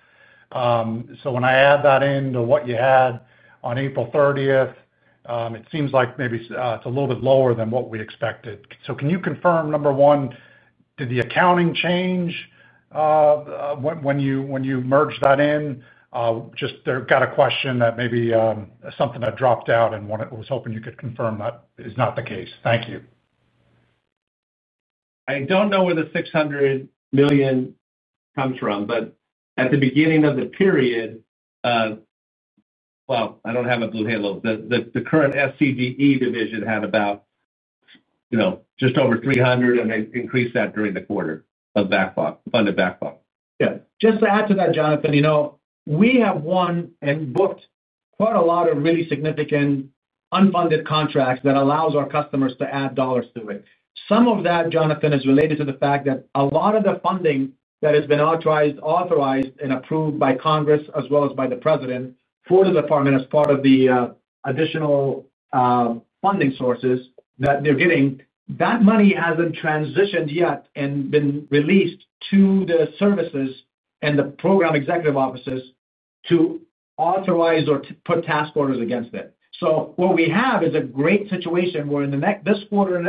When I add that into what you had on April 30th, it seems like maybe it's a little bit lower than what we expected. Can you confirm, number one, did the accounting change when you merged that in? I just got a question that maybe something dropped out and was hoping you could confirm that is not the case. Thank you. I don't know where the $600 million comes from, but at the beginning of the period, I don't have a BlueHalo. The current FCDE division had about, you know, just over $300 million, and they increased that during the quarter of funded backlog. Just to add to that, Jonathan, we have won and booked quite a lot of really significant unfunded contracts that allow our customers to add dollars to it. Some of that, Jonathan, is related to the fact that a lot of the funding that has been authorized and approved by Congress, as well as by the president, for the department as part of the additional funding sources that they're getting, that money hasn't transitioned yet and been released to the services and the program executive offices to authorize or put task orders against it. What we have is a great situation where in the next quarter,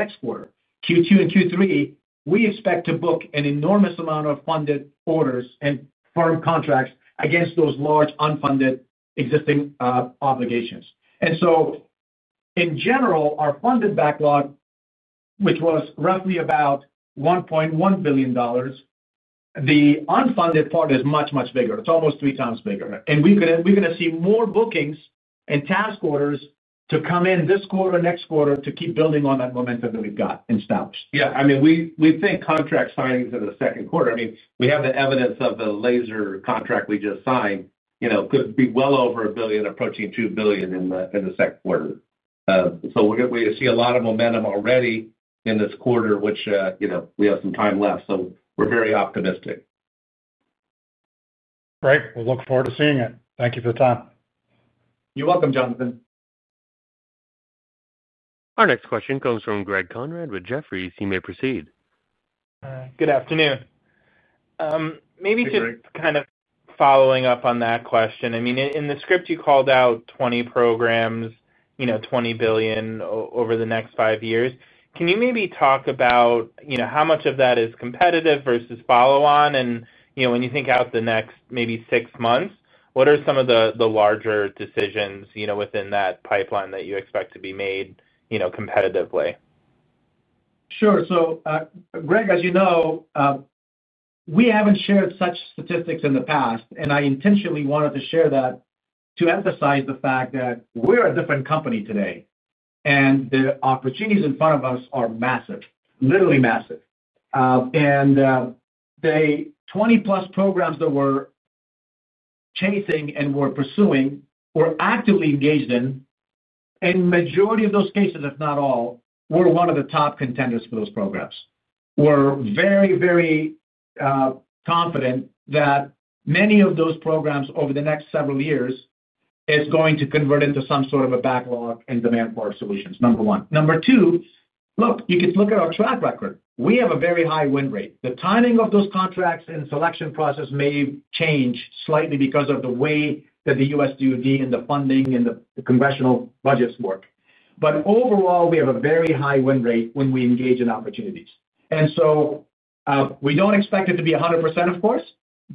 Q2 and Q3, we expect to book an enormous amount of funded orders and firm contracts against those large unfunded existing obligations. In general, our funded backlog, which was roughly about $1.1 billion, the unfunded part is much, much bigger. It's almost three times bigger. We're going to see more bookings and task orders come in this quarter and next quarter to keep building on that momentum that we've got established. Yeah, I mean, we think contract signings in the second quarter, I mean, we have the evidence of the laser contract we just signed, you know, could be well over $1 billion, approaching $2 billion in the second quarter. We're going to see a lot of momentum already in this quarter, which, you know, we have some time left, so we're very optimistic. Great. We'll look forward to seeing it. Thank you for your time. You're welcome, Jonathan. Our next question comes from Greg Konrad with Jefferies. You may proceed. Good afternoon. Maybe just kind of following up on that question. I mean, in the script you called out 20 programs, $20 billion over the next five years. Can you maybe talk about how much of that is competitive versus follow-on? When you think out the next maybe six months, what are some of the larger decisions within that pipeline that you expect to be made competitively? Sure. Greg, as you know, we haven't shared such statistics in the past, and I intentionally wanted to share that to emphasize the fact that we're a different company today, and the opportunities in front of us are massive, literally massive. The 20+ programs that we're chasing and we're pursuing, we're actively engaged in, and in the majority of those cases, if not all, we're one of the top contenders for those programs. We're very, very confident that many of those programs over the next several years are going to convert into some sort of a backlog and demand for our solutions, number one. Number two, look, you could look at our track record. We have a very high win rate. The timing of those contracts and selection process may change slightly because of the way that the U.S. DoD and the funding and the congressional budgets work. Overall, we have a very high win rate when we engage in opportunities. We don't expect it to be 100%, of course,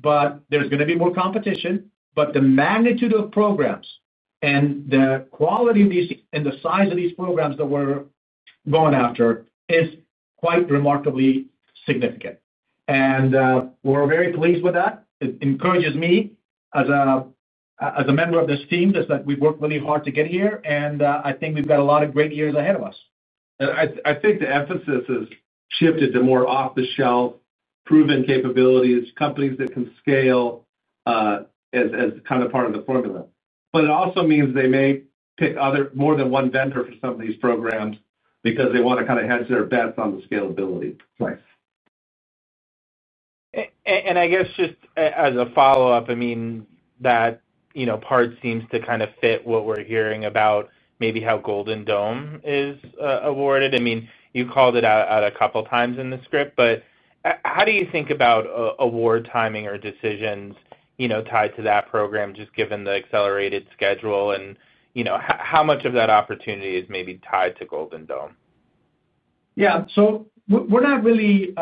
there's going to be more competition. The magnitude of programs and the quality of these and the size of these programs that we're going after is quite remarkably significant. We're very pleased with that. It encourages me as a member of this team that we've worked really hard to get here, and I think we've got a lot of great years ahead of us. I think the emphasis has shifted to more off-the-shelf, proven capabilities, companies that can scale as kind of part of the formula. It also means they may pick more than one vendor for some of these programs because they want to kind of hedge their bets on the scalability place. I guess just as a follow-up, that part seems to kind of fit what we're hearing about maybe how Golden Dome is awarded. You called it out a couple of times in the script, but how do you think about award timing or decisions tied to that program, given the accelerated schedule and how much of that opportunity is maybe tied to Golden Dome? Yeah, we're not really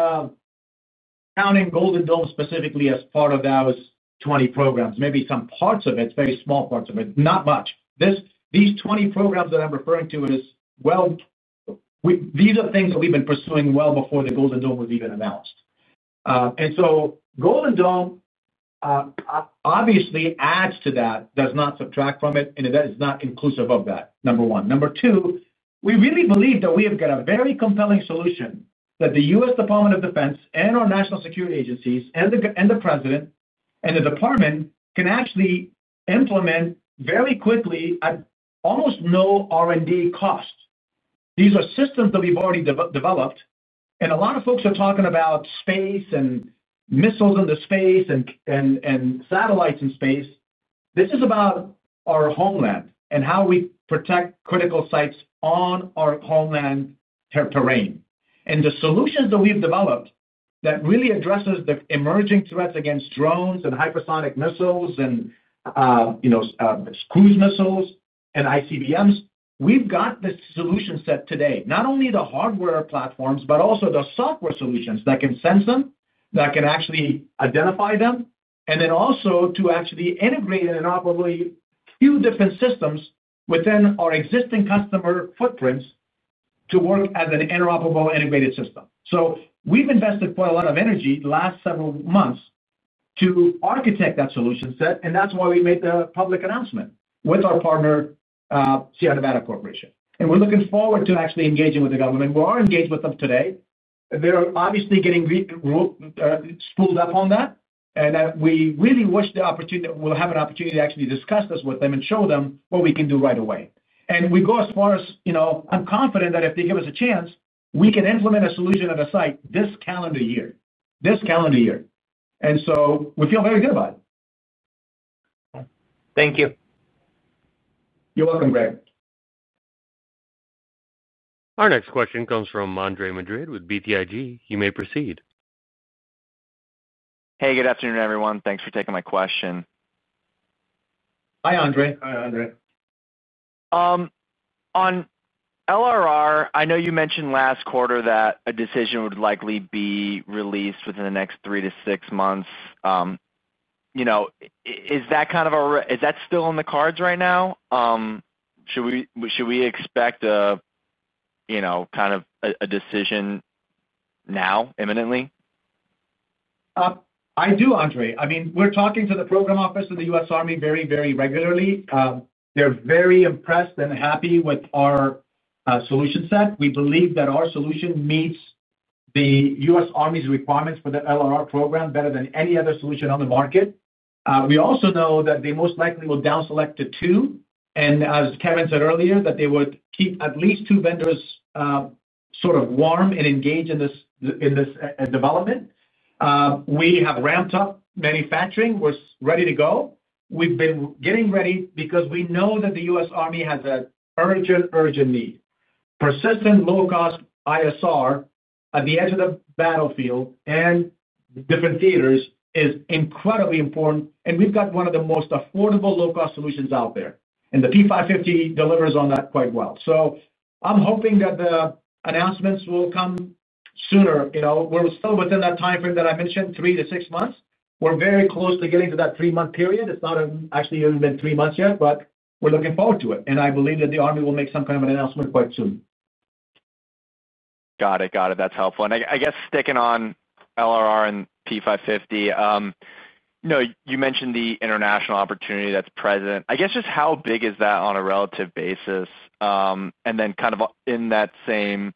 counting Golden Dome specifically as part of those 20 programs. Maybe some parts of it, very small parts of it, not much. These 20 programs that I'm referring to, these are things that we've been pursuing well before Golden Dome was even announced. Golden Dome obviously adds to that, does not subtract from it, and that is not inclusive of that, number one. Number two, we really believe that we have got a very compelling solution that the U.S. Department of Defense and our national security agencies and the President and the Department can actually implement very quickly at almost no R&D cost. These are systems that we've already developed, and a lot of folks are talking about space and missiles in the space and satellites in space. This is about our homeland and how we protect critical sites on our homeland terrain. The solutions that we've developed really address the emerging threats against drones and hypersonic missiles and, you know, cruise missiles and ICBMs. We've got the solution set today, not only the hardware platforms, but also the software solutions that can sense them, that can actually identify them, and then also to actually integrate interoperably a few different systems within our existing customer footprints to work as an interoperable integrated system. We've invested quite a lot of energy the last several months to architect that solution set, and that's why we made the public announcement with our partner, Sierra Nevada Corporation. We're looking forward to actually engaging with the government. We are engaged with them today. They're obviously getting spooled up on that, and we really wish the opportunity that we'll have an opportunity to actually discuss this with them and show them what we can do right away. I'm confident that if they give us a chance, we can implement a solution at a site this calendar year. This calendar year. We feel very good about it. Thank you. You're welcome, Greg. Our next question comes from Andre Madrid with BTIG. You may proceed. Hey, good afternoon, everyone. Thanks for taking my question. Hi, Andre. Hi, Andre. On LRR, I know you mentioned last quarter that a decision would likely be released within the next three to six months. Is that still on the cards right now? Should we expect a decision now, imminently? I do, Andre. I mean, we're talking to the program office of the U.S. Army very, very regularly. They're very impressed and happy with our solution set. We believe that our solution meets the U.S. Army's requirements for the LRR program better than any other solution on the market. We also know that they most likely will down-select to two, and as Kevin said earlier, that they would keep at least two vendors sort of warm and engaged in this development. We have ramped up manufacturing, was ready to go. We've been getting ready because we know that the U.S. Army has an urgent, urgent need. Persistent low-cost ISR at the edge of the battlefield and the different theaters is incredibly important, and we've got one of the most affordable low-cost solutions out there. The P550 delivers on that quite well. I'm hoping that the announcements will come sooner. We're still within that timeframe that I mentioned, three to six months. We're very close to getting to that three-month period. It's not actually even been three months yet, but we're looking forward to it. I believe that the Army will make some kind of an announcement quite soon. Got it, got it. That's helpful. I guess sticking on LRR and P550, you mentioned the international opportunity that's present. I guess just how big is that on a relative basis? In that same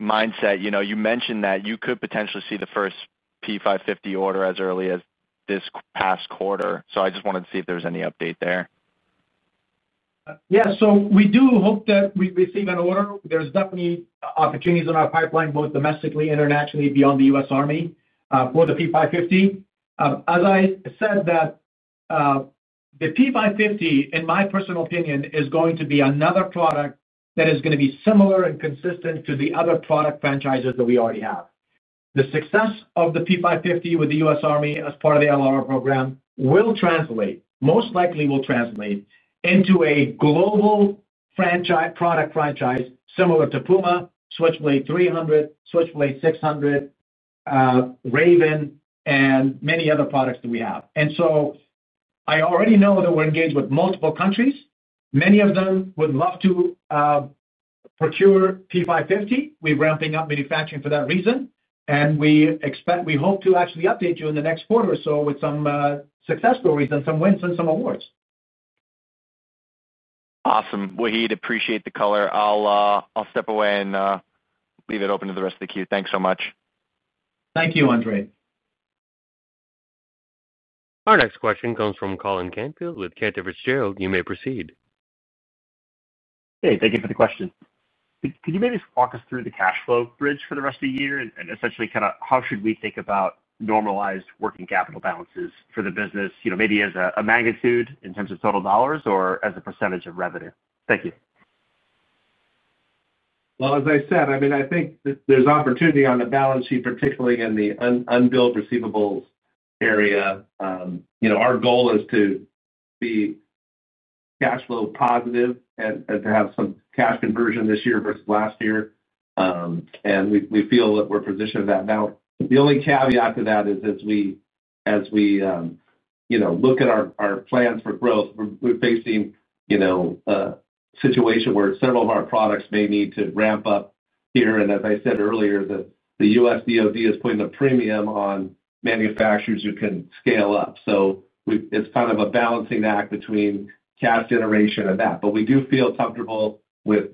mindset, you mentioned that you could potentially see the first P550 order as early as this past quarter. I just wanted to see if there's any update there. Yeah, we do hope that we receive an order. There's definitely opportunities in our pipeline, both domestically and internationally, beyond the U.S. Army, for the P550. As I said, the P550, in my personal opinion, is going to be another product that is going to be similar and consistent to the other product franchises that we already have. The success of the P550 with the U.S. Army as part of the LRR program will translate, most likely will translate, into a global product franchise similar to Puma, Switchblade 300, Switchblade 600, Raven, and many other products that we have. I already know that we're engaged with multiple countries. Many of them would love to procure P550. We're ramping up manufacturing for that reason. We expect, we hope to actually update you in the next quarter or so with some success stories and some wins and some awards. Awesome. Wahid, appreciate the color. I'll step away and leave it open to the rest of the queue. Thanks so much. Thank you, Andre. Our next question comes from Colin Canfield with Cantor Fitzgerald. You may proceed. Thank you for the question. Could you maybe just walk us through the cash flow bridge for the rest of the year? Essentially, how should we think about normalized working capital balances for the business, maybe as a magnitude in terms of total dollars or as a percentage of revenue? Thank you. As I said, I think there's opportunity on the balance sheet, particularly in the unbilled receivables area. Our goal is to be cash flow positive and to have some cash conversion this year versus last year. We feel that we're positioned to do that. The only caveat to that is as we look at our plans for growth, we're facing a situation where several of our products may need to ramp up here. As I said earlier, the U.S. DoD is putting the premium on manufacturers who can scale up. It's kind of a balancing act between cash generation and that. We do feel comfortable with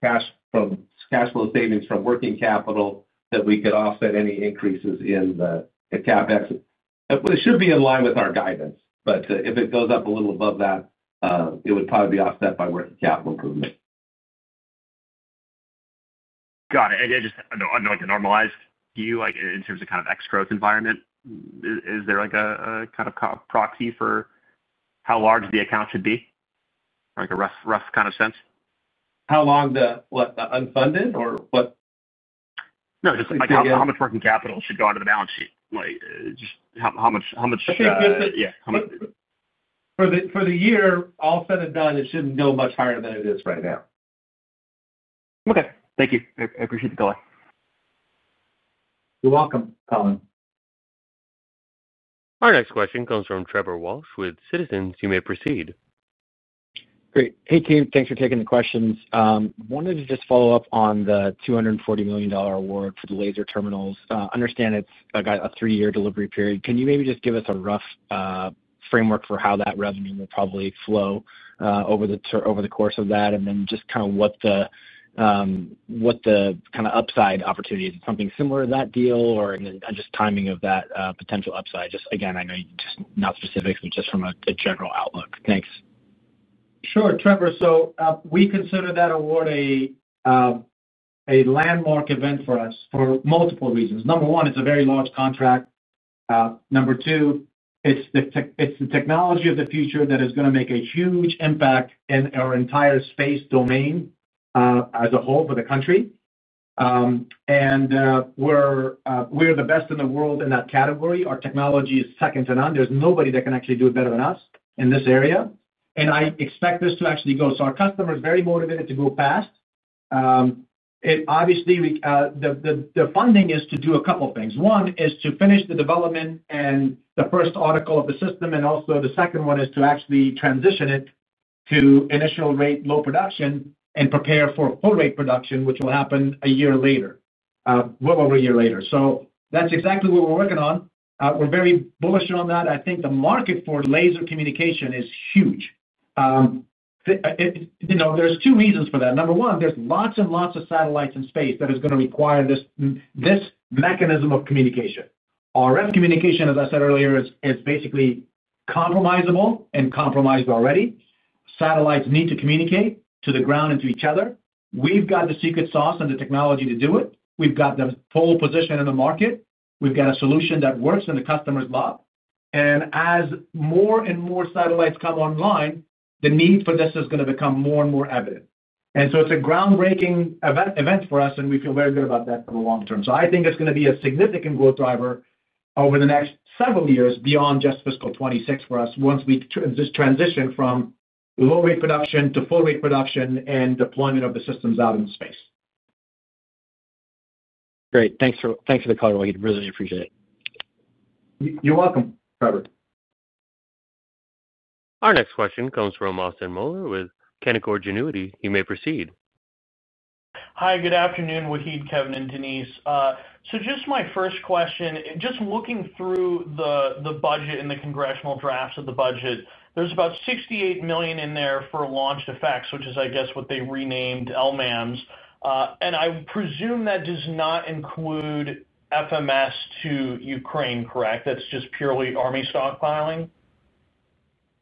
cash flow savings from working capital that we could offset any increases in the CapEx. It should be in line with our guidance, but if it goes up a little above that, it would probably be offset by working capital improvement. Got it. I don't know, like a normalized view, in terms of kind of ex-growth environment, is there a proxy for how large the account should be, like a rough sense? How long the unfunded or what? No, just like how much working capital should go onto the balance sheet, like just how much, how much, yeah. For the year, all said and done, it shouldn't go much higher than it is right now. Okay, thank you. I appreciate the call. You're welcome, Colin. Our next question comes from Trevor Walsh with Citizens. You may proceed. Great. Hey, Kevin, thanks for taking the questions. I wanted to just follow up on the $240 million award for the laser terminals. I understand it's got a three-year delivery period. Can you maybe just give us a rough framework for how that revenue will probably flow over the course of that, and then just kind of what the kind of upside opportunity is? Is it something similar to that deal or just timing of that potential upside? Just again, I know you're just not specifics, but just from a general outlook. Thanks. Sure, Trevor. We consider that award a landmark event for us for multiple reasons. Number one, it's a very large contract. Number two, it's the technology of the future that is going to make a huge impact in our entire space domain as a whole for the country. We're the best in the world in that category. Our technology is second to none. There's nobody that can actually do it better than us in this area. I expect this to actually go. Our customer is very motivated to go fast. Obviously, the funding is to do a couple of things. One is to finish the development and the first article of the system, and also the second one is to actually transition it to initial rate low production and prepare for full rate production, which will happen a year later, well over a year later. That's exactly what we're working on. We're very bullish on that. I think the market for laser communication is huge. There are two reasons for that. Number one, there's lots and lots of satellites in space that are going to require this mechanism of communication. Our revenue communication, as I said earlier, is basically compromisable and compromised already. Satellites need to communicate to the ground and to each other. We've got the secret sauce and the technology to do it. We've got the whole position in the market. We've got a solution that works in the customer's lot. As more and more satellites come online, the need for this is going to become more and more evident. It's a groundbreaking event for us, and we feel very good about that for the long term. I think it's going to be a significant growth driver over the next several years beyond just fiscal 2026 for us once we transition from low rate production to full rate production and deployment of the systems out in space. Great. Thanks for the call, Wahid. Really appreciate it. You're welcome, Trevor. Our next question comes from Austin Moeller with Canaccord Genuity. You may proceed. Hi, good afternoon, Wahid, Kevin, and Denise. My first question, just looking through the budget and the congressional drafts of the budget, there's about $68 million in there for launch defects, which is, I guess, what they renamed LMAMs. I presume that does not include FMS to Ukraine, correct? That's just purely Army stockpiling?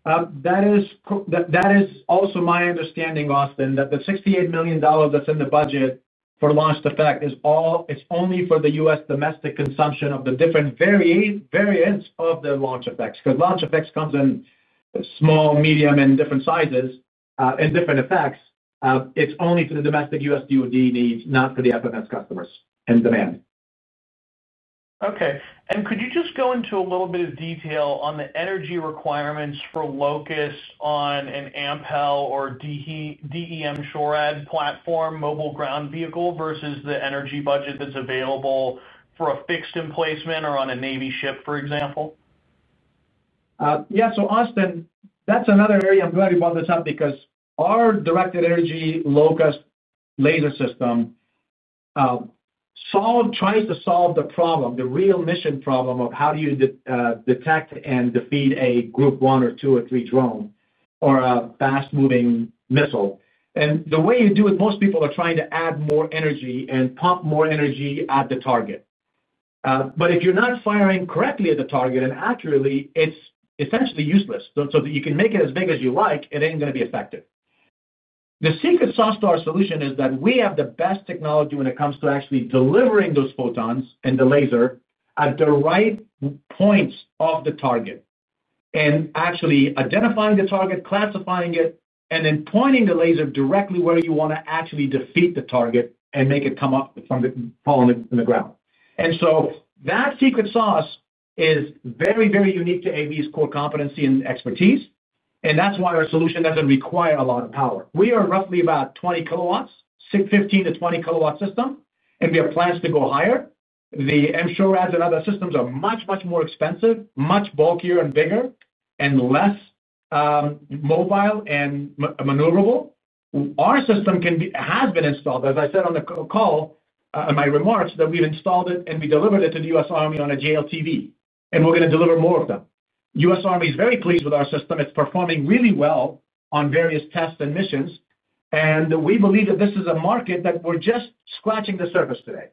That is also my understanding, Austin, that the $68 million that's in the budget for launch effects is all, it's only for the U.S. domestic consumption of the different variants of the launch effects. Because launch effects come in small, medium, and different sizes and different effects, it's only for the domestic U.S. DoD needs, not for the FMS customers and demand. Okay. Could you just go into a little bit of detail on the energy requirements for LOCUST on an AMP-HEL or DE M-SHORAD platform, mobile ground vehicle, versus the energy budget that's available for a fixed emplacement or on a Navy ship, for example? Yeah, Austin, that's another area I'm glad you brought this up because our directed energy LOCUST laser system tries to solve the problem, the real mission problem of how do you detect and defeat a Group 1 or 2 or 3 drone or a fast-moving missile. The way you do it, most people are trying to add more energy and pump more energy at the target. If you're not firing correctly at the target and accurately, it's essentially useless. You can make it as big as you like, it isn't going to be effective. The secret sauce to our solution is that we have the best technology when it comes to actually delivering those photons and the laser at the right points of the target, actually identifying the target, classifying it, and then pointing the laser directly where you want to actually defeat the target and make it come up from the ground. That secret sauce is very, very unique to AV's core competency and expertise. That's why our solution doesn't require a lot of power. We are roughly about 20 kW, 15 kW- 20 kW system, and we have plans to go higher. The M-SHORADs and other systems are much, much more expensive, much bulkier and bigger, and less mobile and maneuverable. Our system has been installed, as I said on the call in my remarks, that we've installed it and we delivered it to the U.S. Army on a JLTV. We're going to deliver more of them. The U.S. Army is very pleased with our system. Performing really well on various tests and missions. We believe that this is a market that we're just scratching the surface today.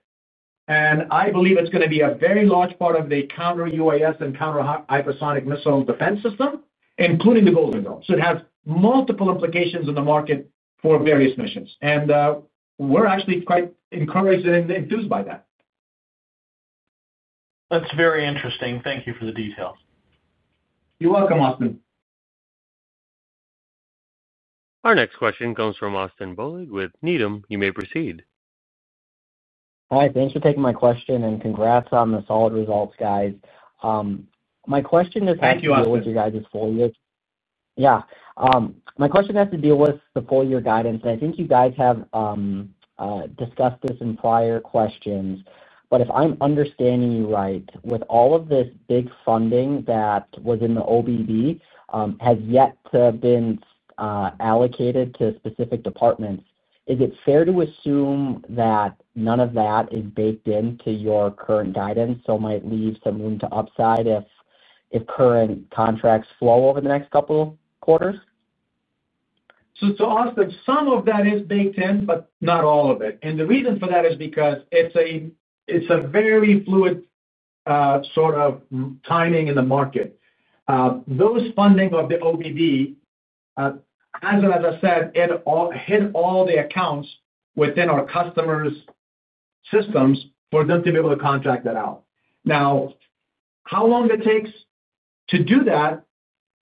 I believe it's going to be a very large part of the counter-UAS and counter-hypersonic missile defense system, including the Golden Dome. It has multiple implications in the market for various missions. We're actually quite encouraged and enthused by that. That's very interesting. Thank you for the detail. You're welcome, Austin. Our next question comes from Austin Bohlig with Needham. You may proceed. Hi, thanks for taking my question and congrats on the solid results, guys. My question has to deal with you guys' four years. My question has to deal with the four-year guidance. I think you guys have discussed this in prior questions. If I'm understanding you right, with all of this big funding that was in the OBD, has yet to have been allocated to specific departments, is it fair to assume that none of that is baked into your current guidance? It might leave some room to upside if current contracts flow over the next couple of quarters? Austin, some of that is baked in, but not all of it. The reason for that is because it's a very fluid sort of timing in the market. Those funding of the OBD, as I said, hit all the accounts within our customers' systems for them to be able to contract that out. How long it takes to do that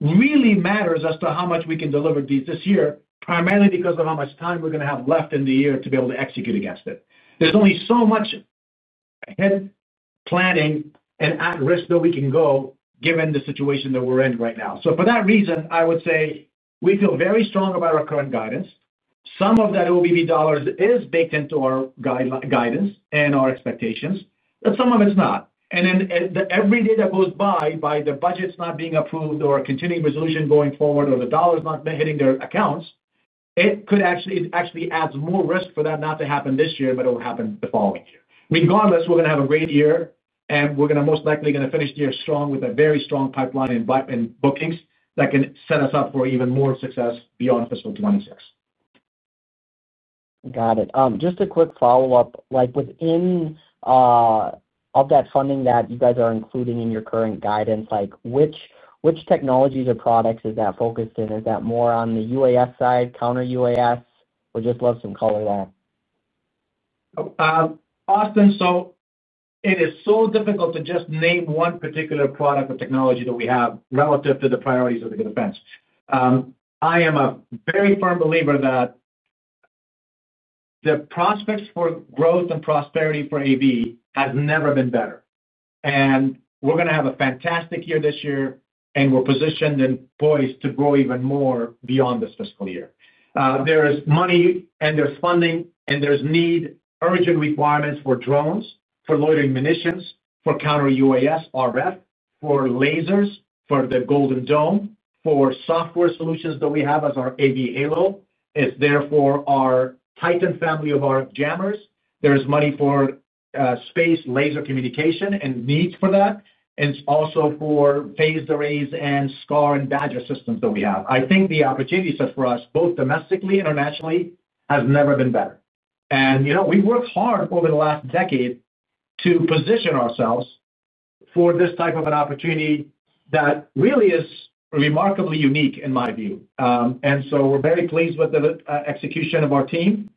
really matters as to how much we can deliver deep this year, primarily because of how much time we're going to have left in the year to be able to execute against it. There's only so much ahead of planning and at risk that we can go given the situation that we're in right now. For that reason, I would say we feel very strong about our current guidance. Some of that OBD dollars is baked into our guidance and our expectations, but some of it's not. Every day that goes by, by the budgets not being approved or continuing resolution going forward or the dollars not hitting their accounts, it could actually add more risk for that not to happen this year, but it'll happen the following year. Regardless, we're going to have a great year, and we're going to most likely finish the year strong with a very strong pipeline in bookings that can set us up for even more success beyond fiscal 2026. Got it. Just a quick follow-up. Within all that funding that you guys are including in your current guidance, which technologies or products is that focused in? Is that more on the UAS side, counter-UAS, or just love some color there? Austin, it is so difficult to just name one particular product or technology that we have relative to the priorities of the defense. I am a very firm believer that the prospects for growth and prosperity for AV have never been better. We're going to have a fantastic year this year, and we're positioned and poised to grow even more beyond this fiscal year. There is money, and there's funding, and there's need, urgent requirements for drones, for loitering munitions, for counter-UAS, RF, for lasers, for the Golden Dome, for software solutions that we have as our AV_Halo. It's there for our Titan family of our jammers. There's money for space laser communication and needs for that. It's also for phased arrays and SCAR and BADGER systems that we have. I think the opportunity set for us, both domestically and internationally, has never been better. We've worked hard over the last decade to position ourselves for this type of an opportunity that really is remarkably unique in my view. We're very pleased with the execution of our team,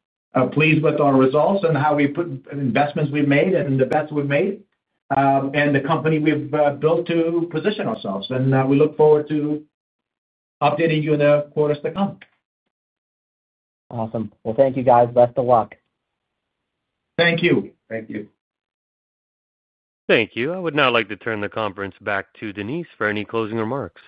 pleased with our results and how we put the investments we've made and the bets we've made and the company we've built to position ourselves. We look forward to updating you in the quarters to come. Awesome. Thank you, guys. Best of luck. Thank you. Thank you. I would now like to turn the conference back to Denise for any closing remarks.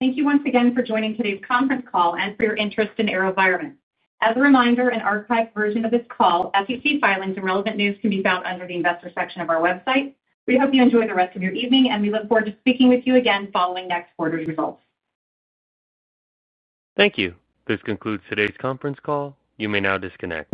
Thank you once again for joining today's conference call and for your interest in AeroVironment. As a reminder, an archived version of this call, SEC filings, and relevant news can be found under the Investor section of our website. We hope you enjoy the rest of your evening, and we look forward to speaking with you again following next quarter's results. Thank you. This concludes today's conference call. You may now disconnect.